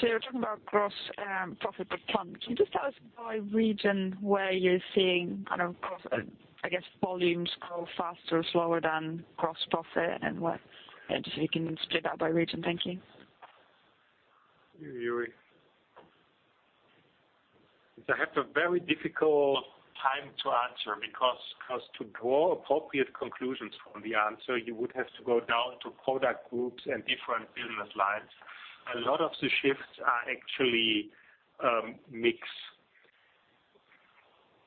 You're talking about gross profit per ton. Can you just tell us by region where you're seeing, I don't know, I guess volumes grow faster or slower than gross profit and what, and if you can split that by region. Thank you. I have a very difficult time to answer because to draw appropriate conclusions from the answer, you would have to go down to product groups and different business lines. A lot of the shifts are actually mix.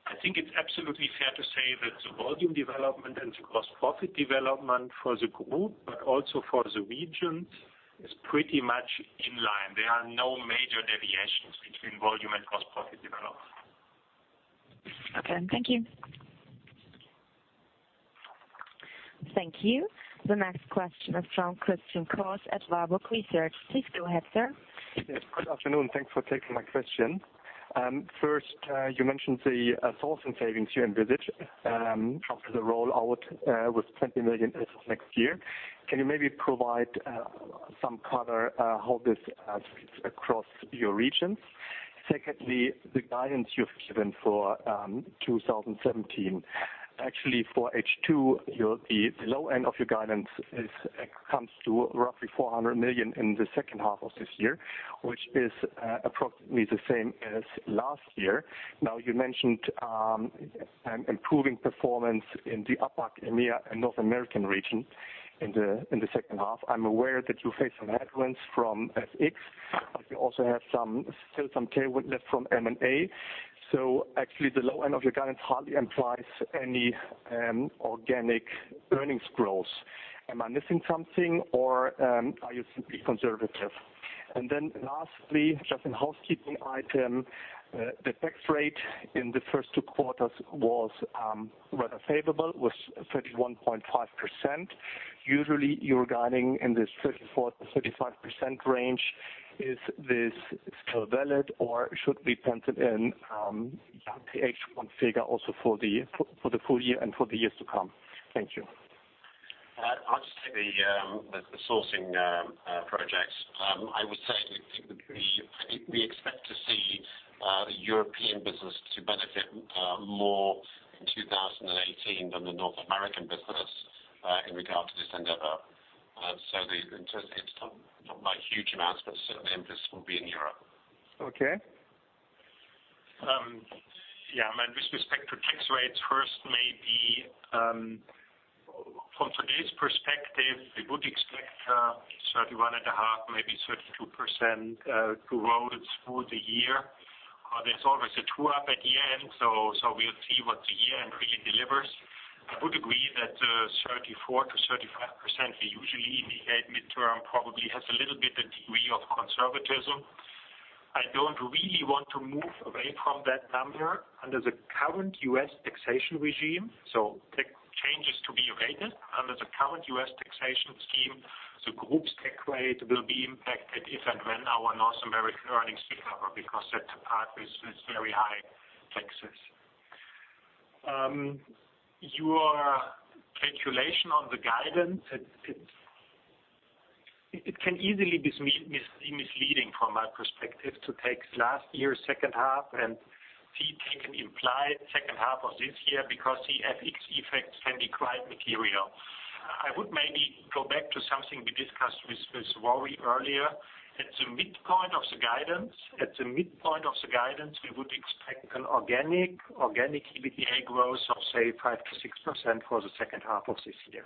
I think it's absolutely fair to say that the volume development and the gross profit development for the group, but also for the region, is pretty much in line. There are no major deviations between volume and gross profit development. Okay. Thank you. Thank you. The next question is from Christian Koch at Warburg Research. Please go ahead, sir. Yes, good afternoon. Thanks for taking my question. First, you mentioned the sourcing savings you envisaged after the rollout with 20 million as of next year. Can you maybe provide some color how this sits across your regions? Secondly, the guidance you've given for 2017. For H2, the low end of your guidance comes to roughly 400 million in the second half of this year, which is approximately the same as last year. You mentioned an improving performance in the APAC, EMEA, and North American region in the second half. I'm aware that you face some headwinds from FX, but you also have still some tailwind left from M&A. Actually the low end of your guidance hardly implies any organic earnings growth. Am I missing something or are you simply conservative? Lastly, just a housekeeping item. The tax rate in the first two quarters was rather favorable, was 31.5%. Usually, you're guiding in this 34%-35% range. Is this still valid, or should we pencil in the H1 figure also for the full year and for the years to come? Thank you. I'll just take the sourcing projects. I would say we expect to see the European business to benefit more in 2018 than the North American business, in regard to this endeavor. It's not by huge amounts, but certainly the emphasis will be in Europe. Okay. With respect to tax rates first, maybe from today's perspective, we would expect 31.5%, maybe 32% through out through the year. There's always a true-up at the end, we'll see what the year end really delivers. I would agree that 34%-35% we usually indicate mid-term, probably has a little bit a degree of conservatism. I don't really want to move away from that number under the current U.S. taxation regime. Tax changes to be awaited. Under the current U.S. taxation scheme, the group's tax rate will be impacted if and when our North American earnings recover, because that part is very high taxes. Your calculation on the guidance, it can easily be misleading from my perspective to take last year's second half and take an implied second half of this year because the FX effects can be quite material. I would maybe go back to something we discussed with Rory earlier. At the midpoint of the guidance, we would expect an organic EBITDA growth of, say, 5%-6% for the second half of this year.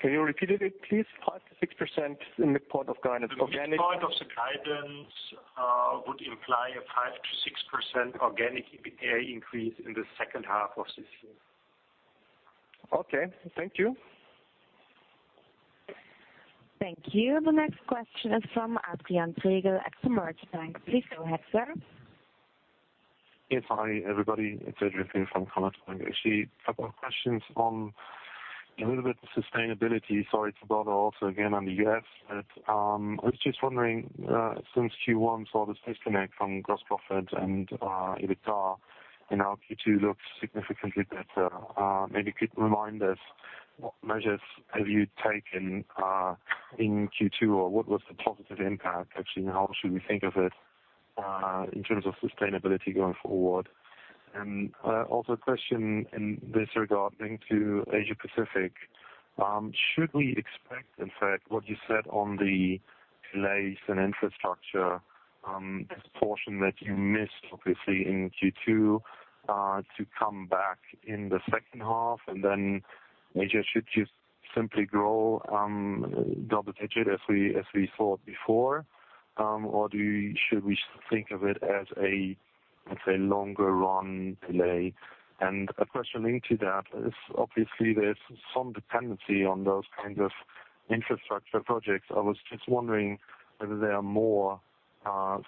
Can you repeat it please? 5%-6% midpoint of guidance organic. The midpoint of the guidance would imply a 5%-6% organic EBITDA increase in the second half of this year. Okay. Thank you. Thank you. The next question is from Adrian Zegel at Commerzbank. Please go ahead, sir. Yes. Hi, everybody. It's Adrian here from Commerzbank. A couple of questions on a little bit of sustainability, sorry to go there also again on the U.S., but I was just wondering, since Q1 saw the disconnect from gross profit and EBITDA and now Q2 looks significantly better, maybe could remind us what measures have you taken in Q2 or what was the positive impact actually and how should we think of it in terms of sustainability going forward? A question in this regarding to Asia Pacific. Should we expect, in fact, what you said on the delays in infrastructure portion that you missed obviously in Q2 to come back in the second half and then Asia should just simply grow double-digit as we thought before? Should we think of it as a Let's say longer run delay. A question into that is, obviously there's some dependency on those kinds of infrastructure projects. I was just wondering whether there are more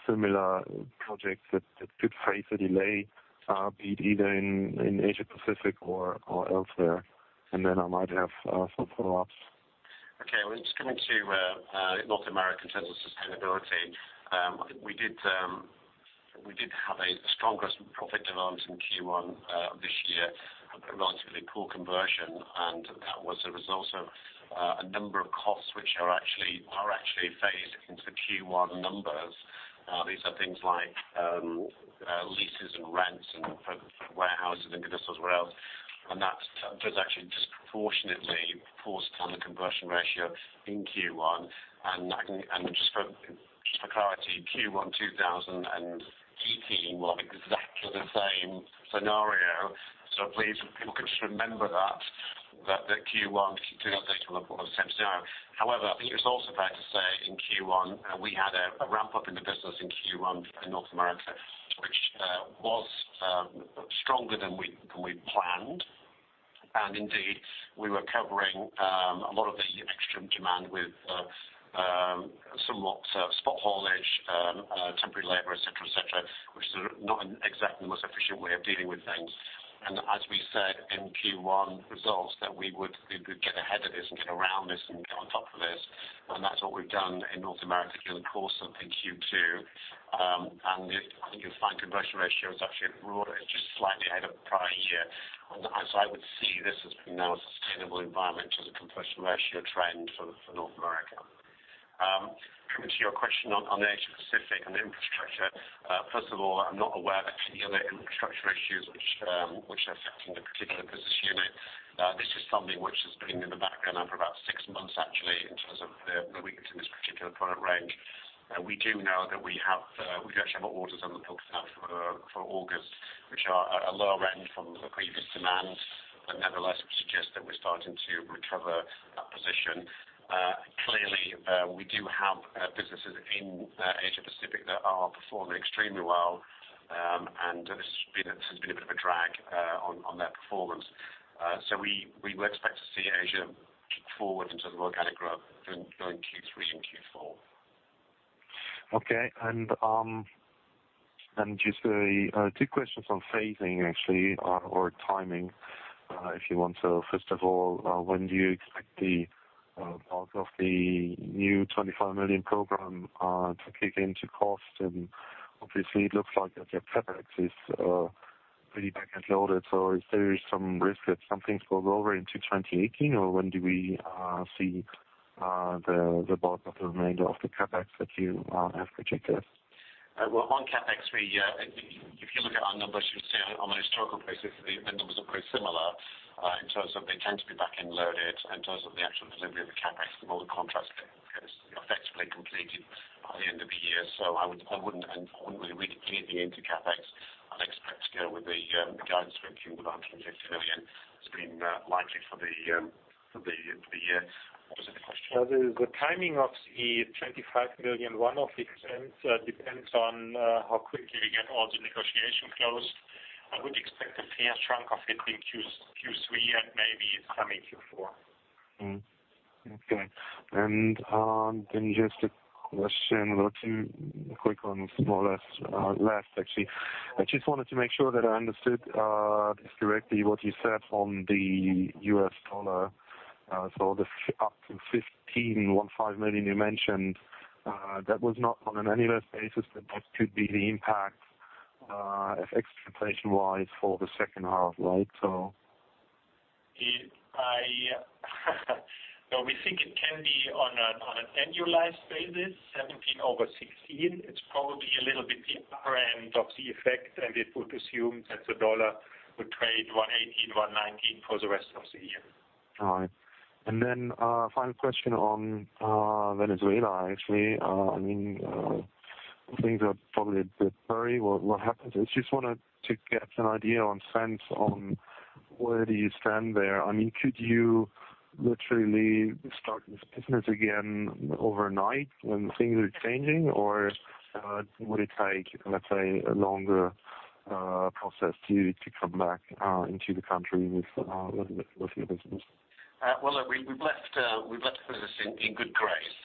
similar projects that could face a delay, be it either in Asia Pacific or elsewhere, and then I might have some follow-ups. Okay, well, just coming to North America in terms of sustainability. We did have a stronger profit demands in Q1 of this year, a relatively poor conversion, and that was a result of a number of costs which are actually phased into Q1 numbers. These are things like leases and rents and for warehouses and individuals as well. That does actually disproportionately falls down the conversion ratio in Q1. Just for clarity, Q1 2018 was exactly the same scenario. Please, if people could just remember that Q1 2018 was the same scenario. However, I think it's also fair to say in Q1, we had a ramp-up in the business in Q1 in North America, which was stronger than we planned. Indeed, we were covering a lot of the extra demand with somewhat spot haulage, temporary labor, et cetera, which is not exactly the most efficient way of dealing with things. As we said in Q1 results that we would get ahead of this and get around this and get on top of this. That's what we've done in North America during the course of Q2. I think you'll find conversion ratio is actually just slightly ahead of prior year. As I would see, this has been now a sustainable environment as a conversion ratio trend for North America. Coming to your question on Asia Pacific and infrastructure. First of all, I'm not aware of any other infrastructure issues which are affecting the particular business unit. This is something which has been in the background now for about six months, actually, in terms of the weakness in this particular product range. We do know that we actually have orders on the books now for August, which are a lower end from the previous demand, but nevertheless would suggest that we're starting to recover that position. Clearly, we do have businesses in Asia Pacific that are performing extremely well, and this has been a bit of a drag on their performance. We would expect to see Asia kick forward in terms of organic growth during Q3 and Q4. Okay. Just two questions on phasing actually, or timing, if you want. First of all, when do you expect the bulk of the new 25 million program to kick into cost? Obviously it looks like the CapEx is pretty back-end loaded. Is there some risk that some things will roll over into 2018, or when do we see the bulk of the remainder of the CapEx that you have projected? Well, on CapEx, if you look at our numbers, you would see on an historical basis, the numbers are pretty similar in terms of they tend to be back-end loaded in terms of the actual delivery of the CapEx. The moment the contract gets effectively completed by the end of the year. I wouldn't read anything into CapEx. I'd expect to go with the guidance from Q1 of 150 million has been likely for the year. Was there another question? The timing of the 25 million one-off expense depends on how quickly we get all the negotiation closed. I would expect a fair chunk of it in Q3. Maybe some in Q4. Okay. Just a question, or two quick ones more or less. Last actually, I just wanted to make sure that I understood this correctly, what you said on the US dollar. The up to $15 million you mentioned, that was not on an annual basis, but that could be the impact expectation-wise for the second half, right? No, we think it can be on an annualized basis, [$17 over $16]. It's probably a little bit the upper end of the effect. It would assume that the US dollar would trade $1.18, $1.19 for the rest of the year. All right. Final question on Venezuela, actually. Things are probably a bit blurry what happens. I just wanted to get an idea or sense on where do you stand there. Could you literally start this business again overnight when things are changing? Would it take, let's say, a longer process to come back into the country with your business? We've left the business in good grace,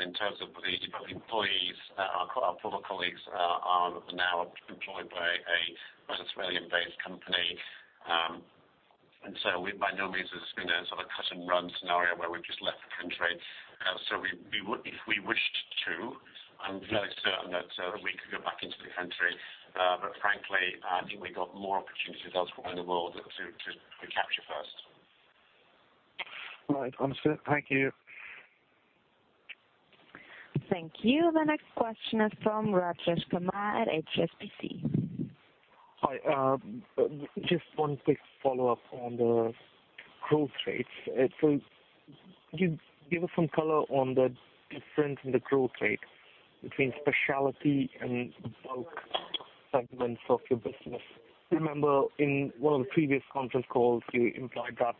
in terms of the employees, our former colleagues are now employed by a Venezuelan-based company. By no means has this been a sort of cut and run scenario where we've just left the country. If we wished to, I'm fairly certain that we could go back into the country. Frankly, I think we got more opportunities elsewhere in the world to capture first. Right. Understood. Thank you. Thank you. The next question is from Rajesh Kumar at HSBC. Hi. Just one quick follow-up on the growth rates. Can you give us some color on the difference in the growth rate between specialty and bulk segments of your business? I remember in one of the previous conference calls, you implied that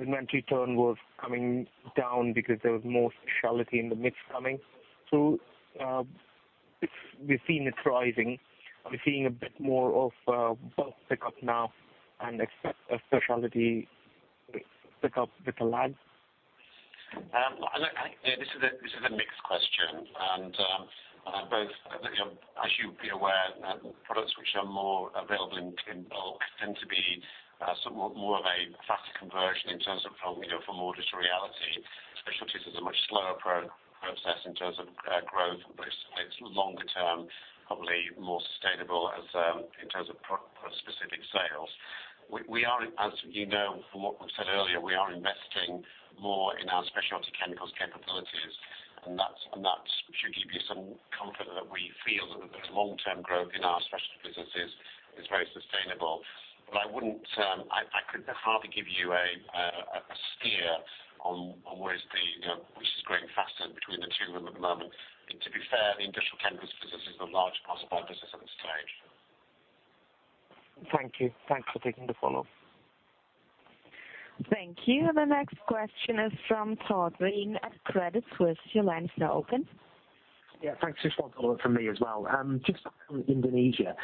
inventory turn was coming down because there was more specialty in the mix coming through. We've seen it rising. Are we seeing a bit more of bulk pickup now and specialty pickup with a lag? This is a mixed question. As you'd be aware, products which are more available in bulk tend to be somewhat more of a faster conversion in terms of from order to reality. Specialties is a much slower process in terms of growth, but it is longer term, probably more sustainable in terms of specific sales. We are, as you know from what we've said earlier, we are investing more in our specialty chemicals capabilities, that should give you some comfort that we feel that the long-term growth in our specialty businesses is very sustainable. I could hardly give you a steer on which is growing faster between the two of them at the moment. To be fair, the industrial chemicals business is a large part of our business at this stage. Thank you. Thanks for taking the follow-up. Thank you. The next question is from Todd Green at Credit Suisse. Your line is now open. Thanks. Just one follow-up from me as well. Just on Indonesia.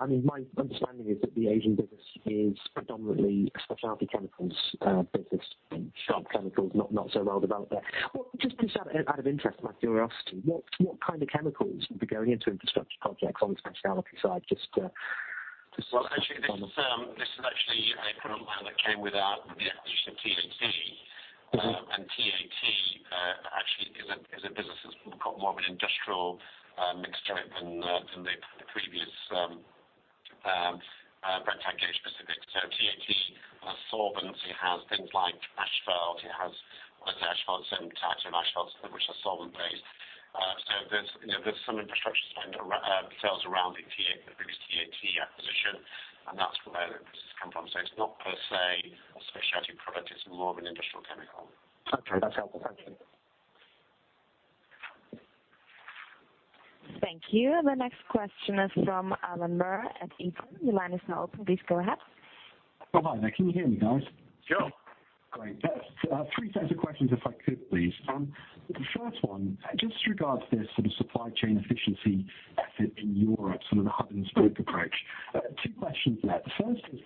My understanding is that the Asian business is predominantly a specialty chemicals business and industrial chemicals not so well developed there. Just out of interest and my curiosity, what kind of chemicals would be going into infrastructure projects on the specialty side? Well, actually, this is actually a product line that came with the acquisition of TAT. TAT actually is a business that's got more of an industrial mixture than the previous Brenntag specific. [TAT absorbency] has things like asphalt. It has, I say asphalt, certain types of asphalts which are solvent based. There's some infrastructure spend sales around the previous TAT acquisition, and that's where the business has come from. It's not per se a specialty product, it's more of an industrial chemical. Okay. That's helpful. Thank you. Thank you. The next question is from Alan Murr at Exane. Your line is now open. Please go ahead. Oh, hi there. Can you hear me, guys? Sure. Great. Just three sets of questions if I could please. The first one, just regards this sort of supply chain efficiency effort in Europe, sort of the hub and spoke approach. Two questions there. The first is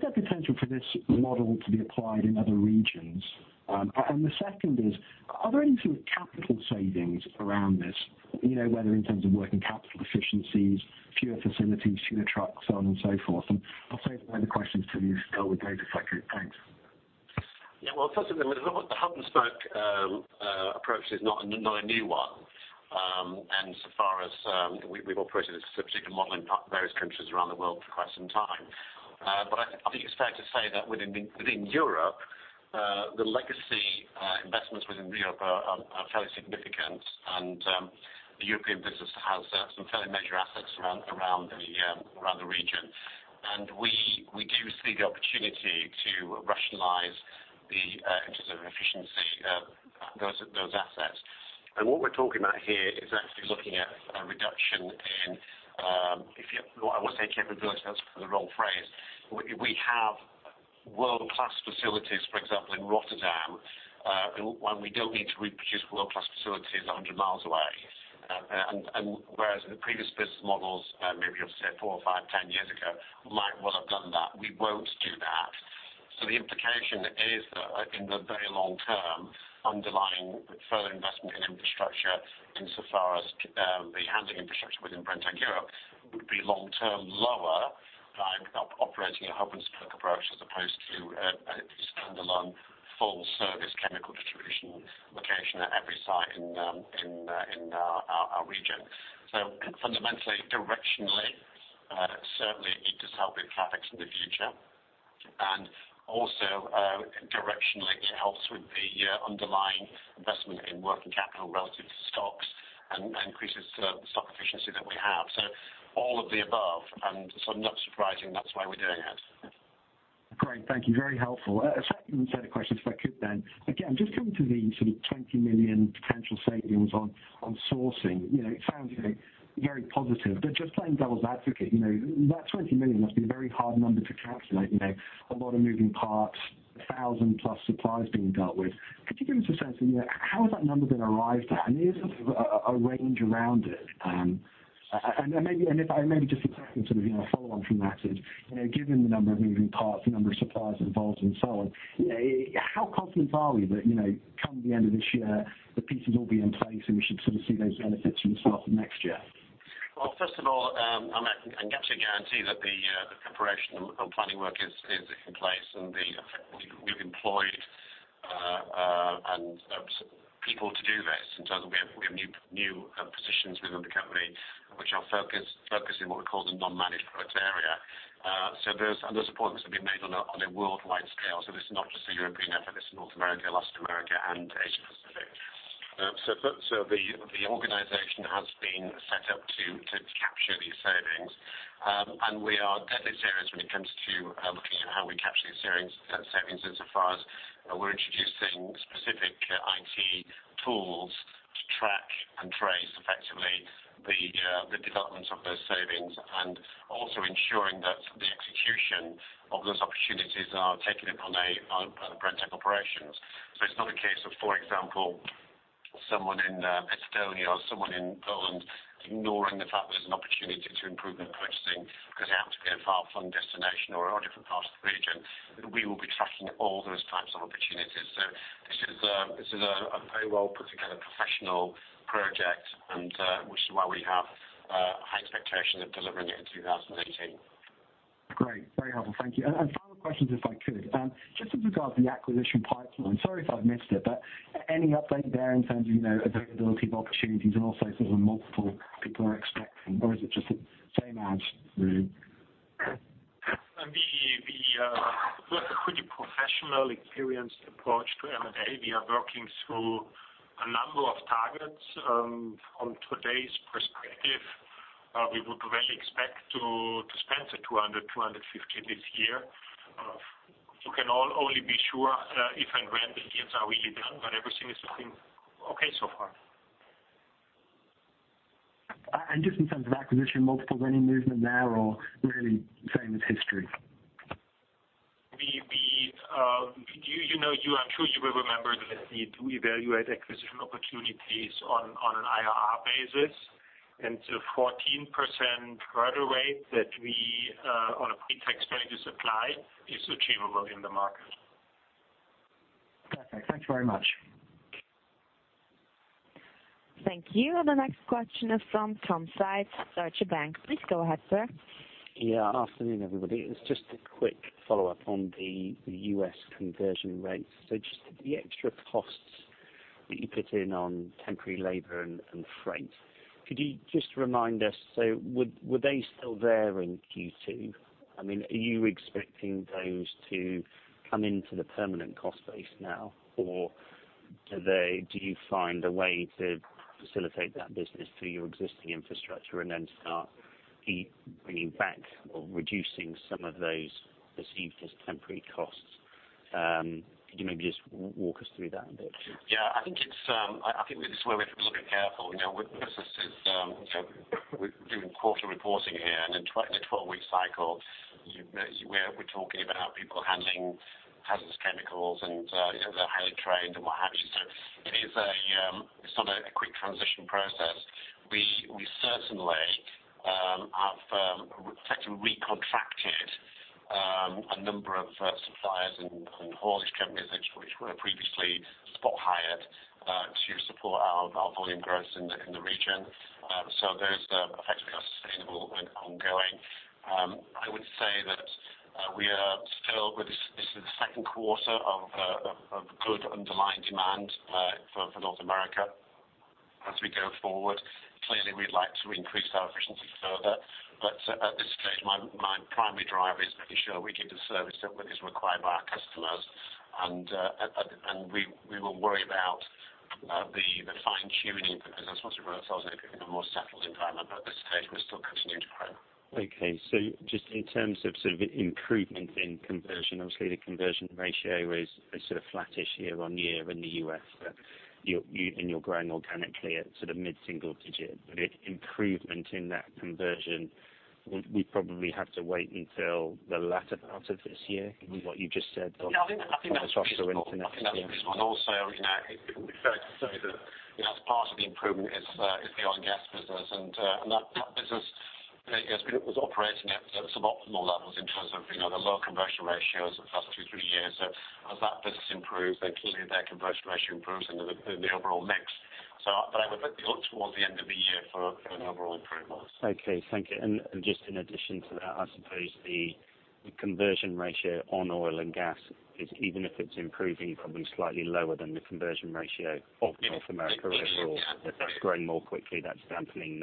there potential for this model to be applied in other regions? The second is, are there any sort of capital savings around this, whether in terms of working capital efficiencies, fewer facilities, fewer trucks, so on and so forth? I'll save the other questions till you feel we're going, if I could. Thanks. First of all, the hub and spoke approach is not a new one. So far as we've operated a particular model in various countries around the world for quite some time. I think it's fair to say that within Europe, the legacy investments within Europe are fairly significant and the European business has some fairly major assets around the region. We do see the opportunity to rationalize in terms of efficiency, those assets. What we're talking about here is actually looking at a reduction in, I won't say capability, that's the wrong phrase. We have world-class facilities, for example, in Rotterdam, when we don't need to reproduce world-class facilities 100 miles away. Whereas the previous business models, maybe of say four or five, 10 years ago, might well have done that. We won't do that. The implication is that in the very long term, underlying further investment in infrastructure insofar as the handling infrastructure within Brenntag Europe would be long term lower by operating a hub and spoke approach as opposed to a standalone full service chemical distribution location at every site in our region. Fundamentally, directionally, certainly it does help with CapEx in the future. Also directionally, it helps with the underlying investment in working capital relative to stocks and increases the stock efficiency that we have. All of the above, not surprising that's why we're doing it. Great. Thank you. Very helpful. A second set of questions, if I could then. Again, just coming to the sort of 20 million potential savings on sourcing. It sounds very positive, but just playing devil's advocate, that 20 million must be a very hard number to calculate. A lot of moving parts, 1,000 plus suppliers being dealt with. Could you give us a sense of how is that number been arrived at, and is there sort of a range around it? Maybe just a second follow on from that is, given the number of moving parts, the number of suppliers involved and so on, how confident are we that come the end of this year, the pieces will all be in place and we should sort of see those benefits from the start of next year? Well, first of all, I can absolutely guarantee that the preparation and planning work is in place. We've employed people to do this in terms of we have new positions within the company which are focusing what we call the non-managed product area. Those appointments have been made on a worldwide scale. This is not just a European effort, it's North America, Latin America, and Asia Pacific. The organization has been set up to capture these savings. We are deadly serious when it comes to looking at how we capture these savings insofar as we're introducing specific IT tools to track and trace the developments of those savings and also ensuring that the execution of those opportunities are taken upon by the Brenntag operations. It's not a case of, for example, someone in Estonia or someone in Poland ignoring the fact that there's an opportunity to improve their purchasing because they happen to be a far-flung destination or in a different part of the region. We will be tracking all those types of opportunities. This is a very well put together professional project, which is why we have high expectations of delivering it in 2018. Great. Very helpful. Thank you. Final questions, if I could. Just in regard to the acquisition pipeline, sorry if I've missed it, any update there in terms of availability of opportunities and also sort of multiple people are expecting or is it just the same as really? We've got a pretty professional, experienced approach to M&A. We are working through a number of targets. From today's perspective, we would really expect to spend 200-250 this year. You can only be sure if and when the deals are really done, everything is looking okay so far. Just in terms of acquisition multiple, any movement there or really the same as history? I'm sure you will remember that we evaluate acquisition opportunities on an IRR basis, and the 14% hurdle rate that we on a pretax basis apply is achievable in the market. Perfect. Thank you very much. Thank you. The next question is from Tom Sykes, Deutsche Bank. Please go ahead, sir. Afternoon, everybody. It's just a quick follow-up on the U.S. conversion rates. Just the extra costs that you put in on temporary labor and freight. Could you just remind us, were they still there in Q2? I mean, are you expecting those to come into the permanent cost base now, or do you find a way to facilitate that business through your existing infrastructure and then start bringing back or reducing some of those perceived as temporary costs? Could you maybe just walk us through that a bit? I think this is where we have to be a little bit careful. We do quarter reporting here in a 12-week cycle. We're talking about people handling hazardous chemicals, and they're highly trained and what have you. It's not a quick transition process. We certainly have effectively recontracted a number of suppliers and haulage companies which were previously spot hired to support our volume growth in the region. Those effectively are sustainable and ongoing. I would say that this is the second quarter of good underlying demand for North America. We go forward, clearly, we'd like to increase our efficiency further. At this stage, my primary drive is making sure we give the service that is required by our customers, and we will worry about the fine-tuning, I suppose, Tom, in a more settled environment. At this stage, we're still continuing to grow. Okay. Just in terms of improvement in conversion, obviously the conversion ratio is sort of flattish year-over-year in the U.S., but you're growing organically at mid-single digit. Improvement in that conversion, we probably have to wait until the latter part of this year, given what you just said on the software integration. I think that's a good one. Also, it would be fair to say that as part of the improvement is the oil and gas business. That business was operating at suboptimal levels in terms of the low conversion ratios the past two, three years. As that business improves, clearly their conversion ratio improves and the overall mix. I would look towards the end of the year for an overall improvement. Okay, thank you. Just in addition to that, I suppose the conversion ratio on oil and gas is, even if it's improving, probably slightly lower than the conversion ratio of North America overall. If that's growing more quickly, that's dampening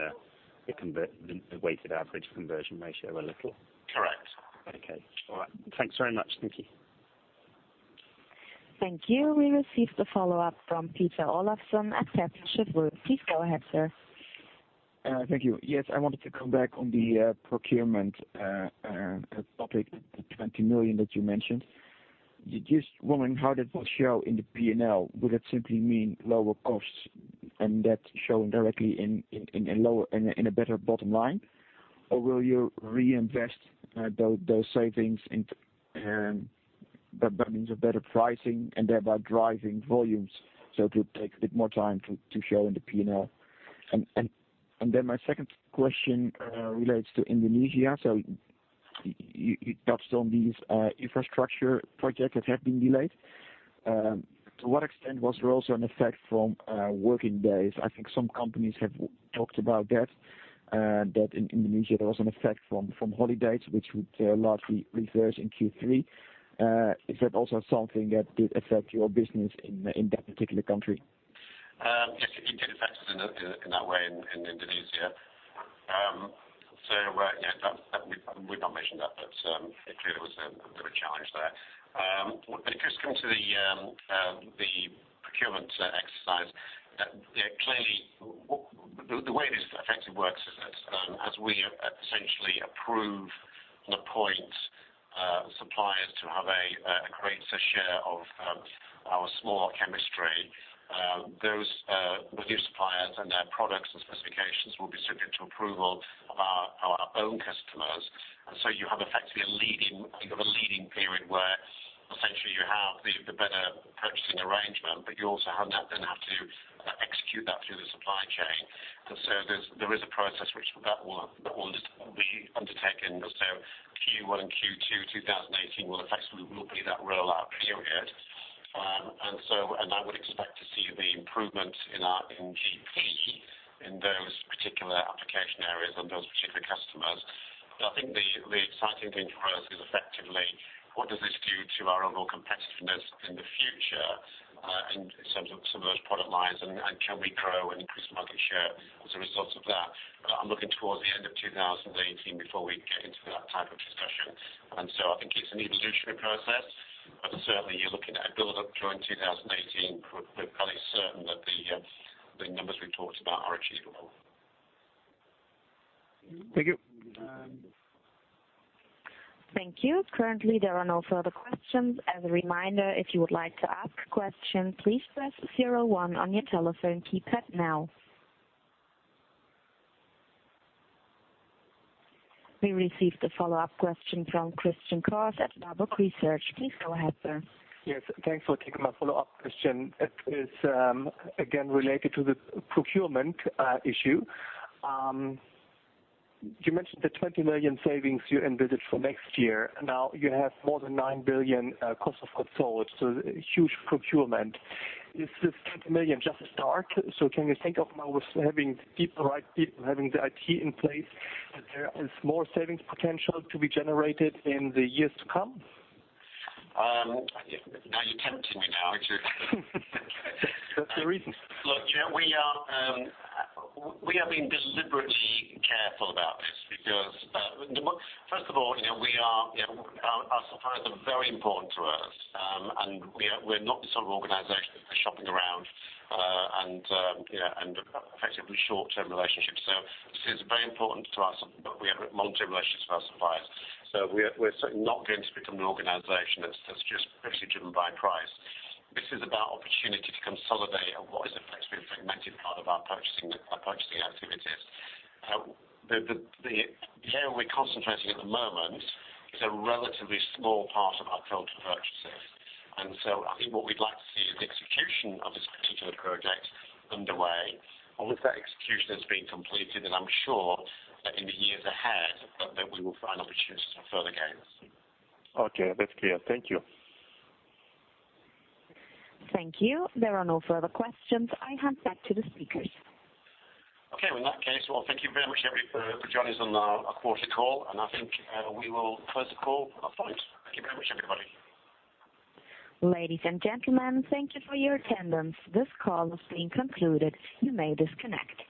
the weighted average conversion ratio a little. Correct. Okay. All right. Thanks very much. Thank you. Thank you. We received a follow-up from Peter Olofsson at Kepler Cheuvreux. Please go ahead, sir. Thank you. Yes, I wanted to come back on the procurement topic, the 20 million that you mentioned. Just wondering how that will show in the P&L. Will it simply mean lower costs and that shown directly in a better bottom line? Or will you reinvest those savings into better pricing and thereby driving volumes, so it will take a bit more time to show in the P&L? My second question relates to Indonesia. You touched on these infrastructure projects that have been delayed. To what extent was there also an effect from working days? I think some companies have talked about that in Indonesia, there was an effect from holidays, which would largely reverse in Q3. Is that also something that did affect your business in that particular country? Yes, it did affect us in that way in Indonesia. We've not mentioned that, but it clearly was a bit of a challenge there. Just coming to the procurement exercise, clearly the way this effectively works is that as we essentially approve and appoint suppliers to have a greater share of our small chemistry. Those new suppliers and their products and specifications will be subject to approval of our own customers. You have effectively a leading period where essentially you have the better purchasing arrangement, but you also then have to execute that through the supply chain. There is a process which that will be undertaken. Q1 and Q2 2018 will effectively be that rollout period. I would expect to see the improvement in GP in those particular application areas and those particular customers. I think the exciting thing for us is effectively what does this do to our overall competitiveness in the future in terms of some of those product lines and can we grow and increase market share as a result of that? I'm looking towards the end of 2018 before we get into that type of discussion. I think it's an evolutionary process, but certainly you're looking at a build-up during 2018. We're fairly certain that the numbers we've talked about are achievable. Thank you. Thank you. Currently, there are no further questions. As a reminder, if you would like to ask a question, please press 01 on your telephone keypad now. We received a follow-up question from Christian Koch at Warburg Research. Please go ahead, sir. Yes, thanks for taking my follow-up question. It is again related to the procurement issue. You mentioned the 20 million savings you envisaged for next year. Now you have more than 9 billion cost of goods sold, so huge procurement. Is this 20 million just a start? Can you think of now with having the right people, having the IT in place, that there is more savings potential to be generated in the years to come? You're tempting me now, aren't you? That's the reason. Look, we have been deliberately careful about this because, first of all, our suppliers are very important to us. We're not the sort of organization for shopping around and effectively short-term relationships. This is very important to us, that we have long-term relationships with our suppliers. We're certainly not going to become an organization that's just purely driven by price. This is about opportunity to consolidate what is effectively a fragmented part of our purchasing activities. The area we're concentrating at the moment is a relatively small part of our total purchases. I think what we'd like to see is the execution of this particular project underway. Once that execution has been completed, then I'm sure that in the years ahead that we will find opportunities for further gains. Okay. That's clear. Thank you. Thank you. There are no further questions. I hand back to the speakers. Okay. Well, in that case, thank you very much, everybody, for joining us on our quarterly call. I think we will close the call at this point. Thank you very much, everybody. Ladies and gentlemen, thank you for your attendance. This call has been concluded. You may disconnect.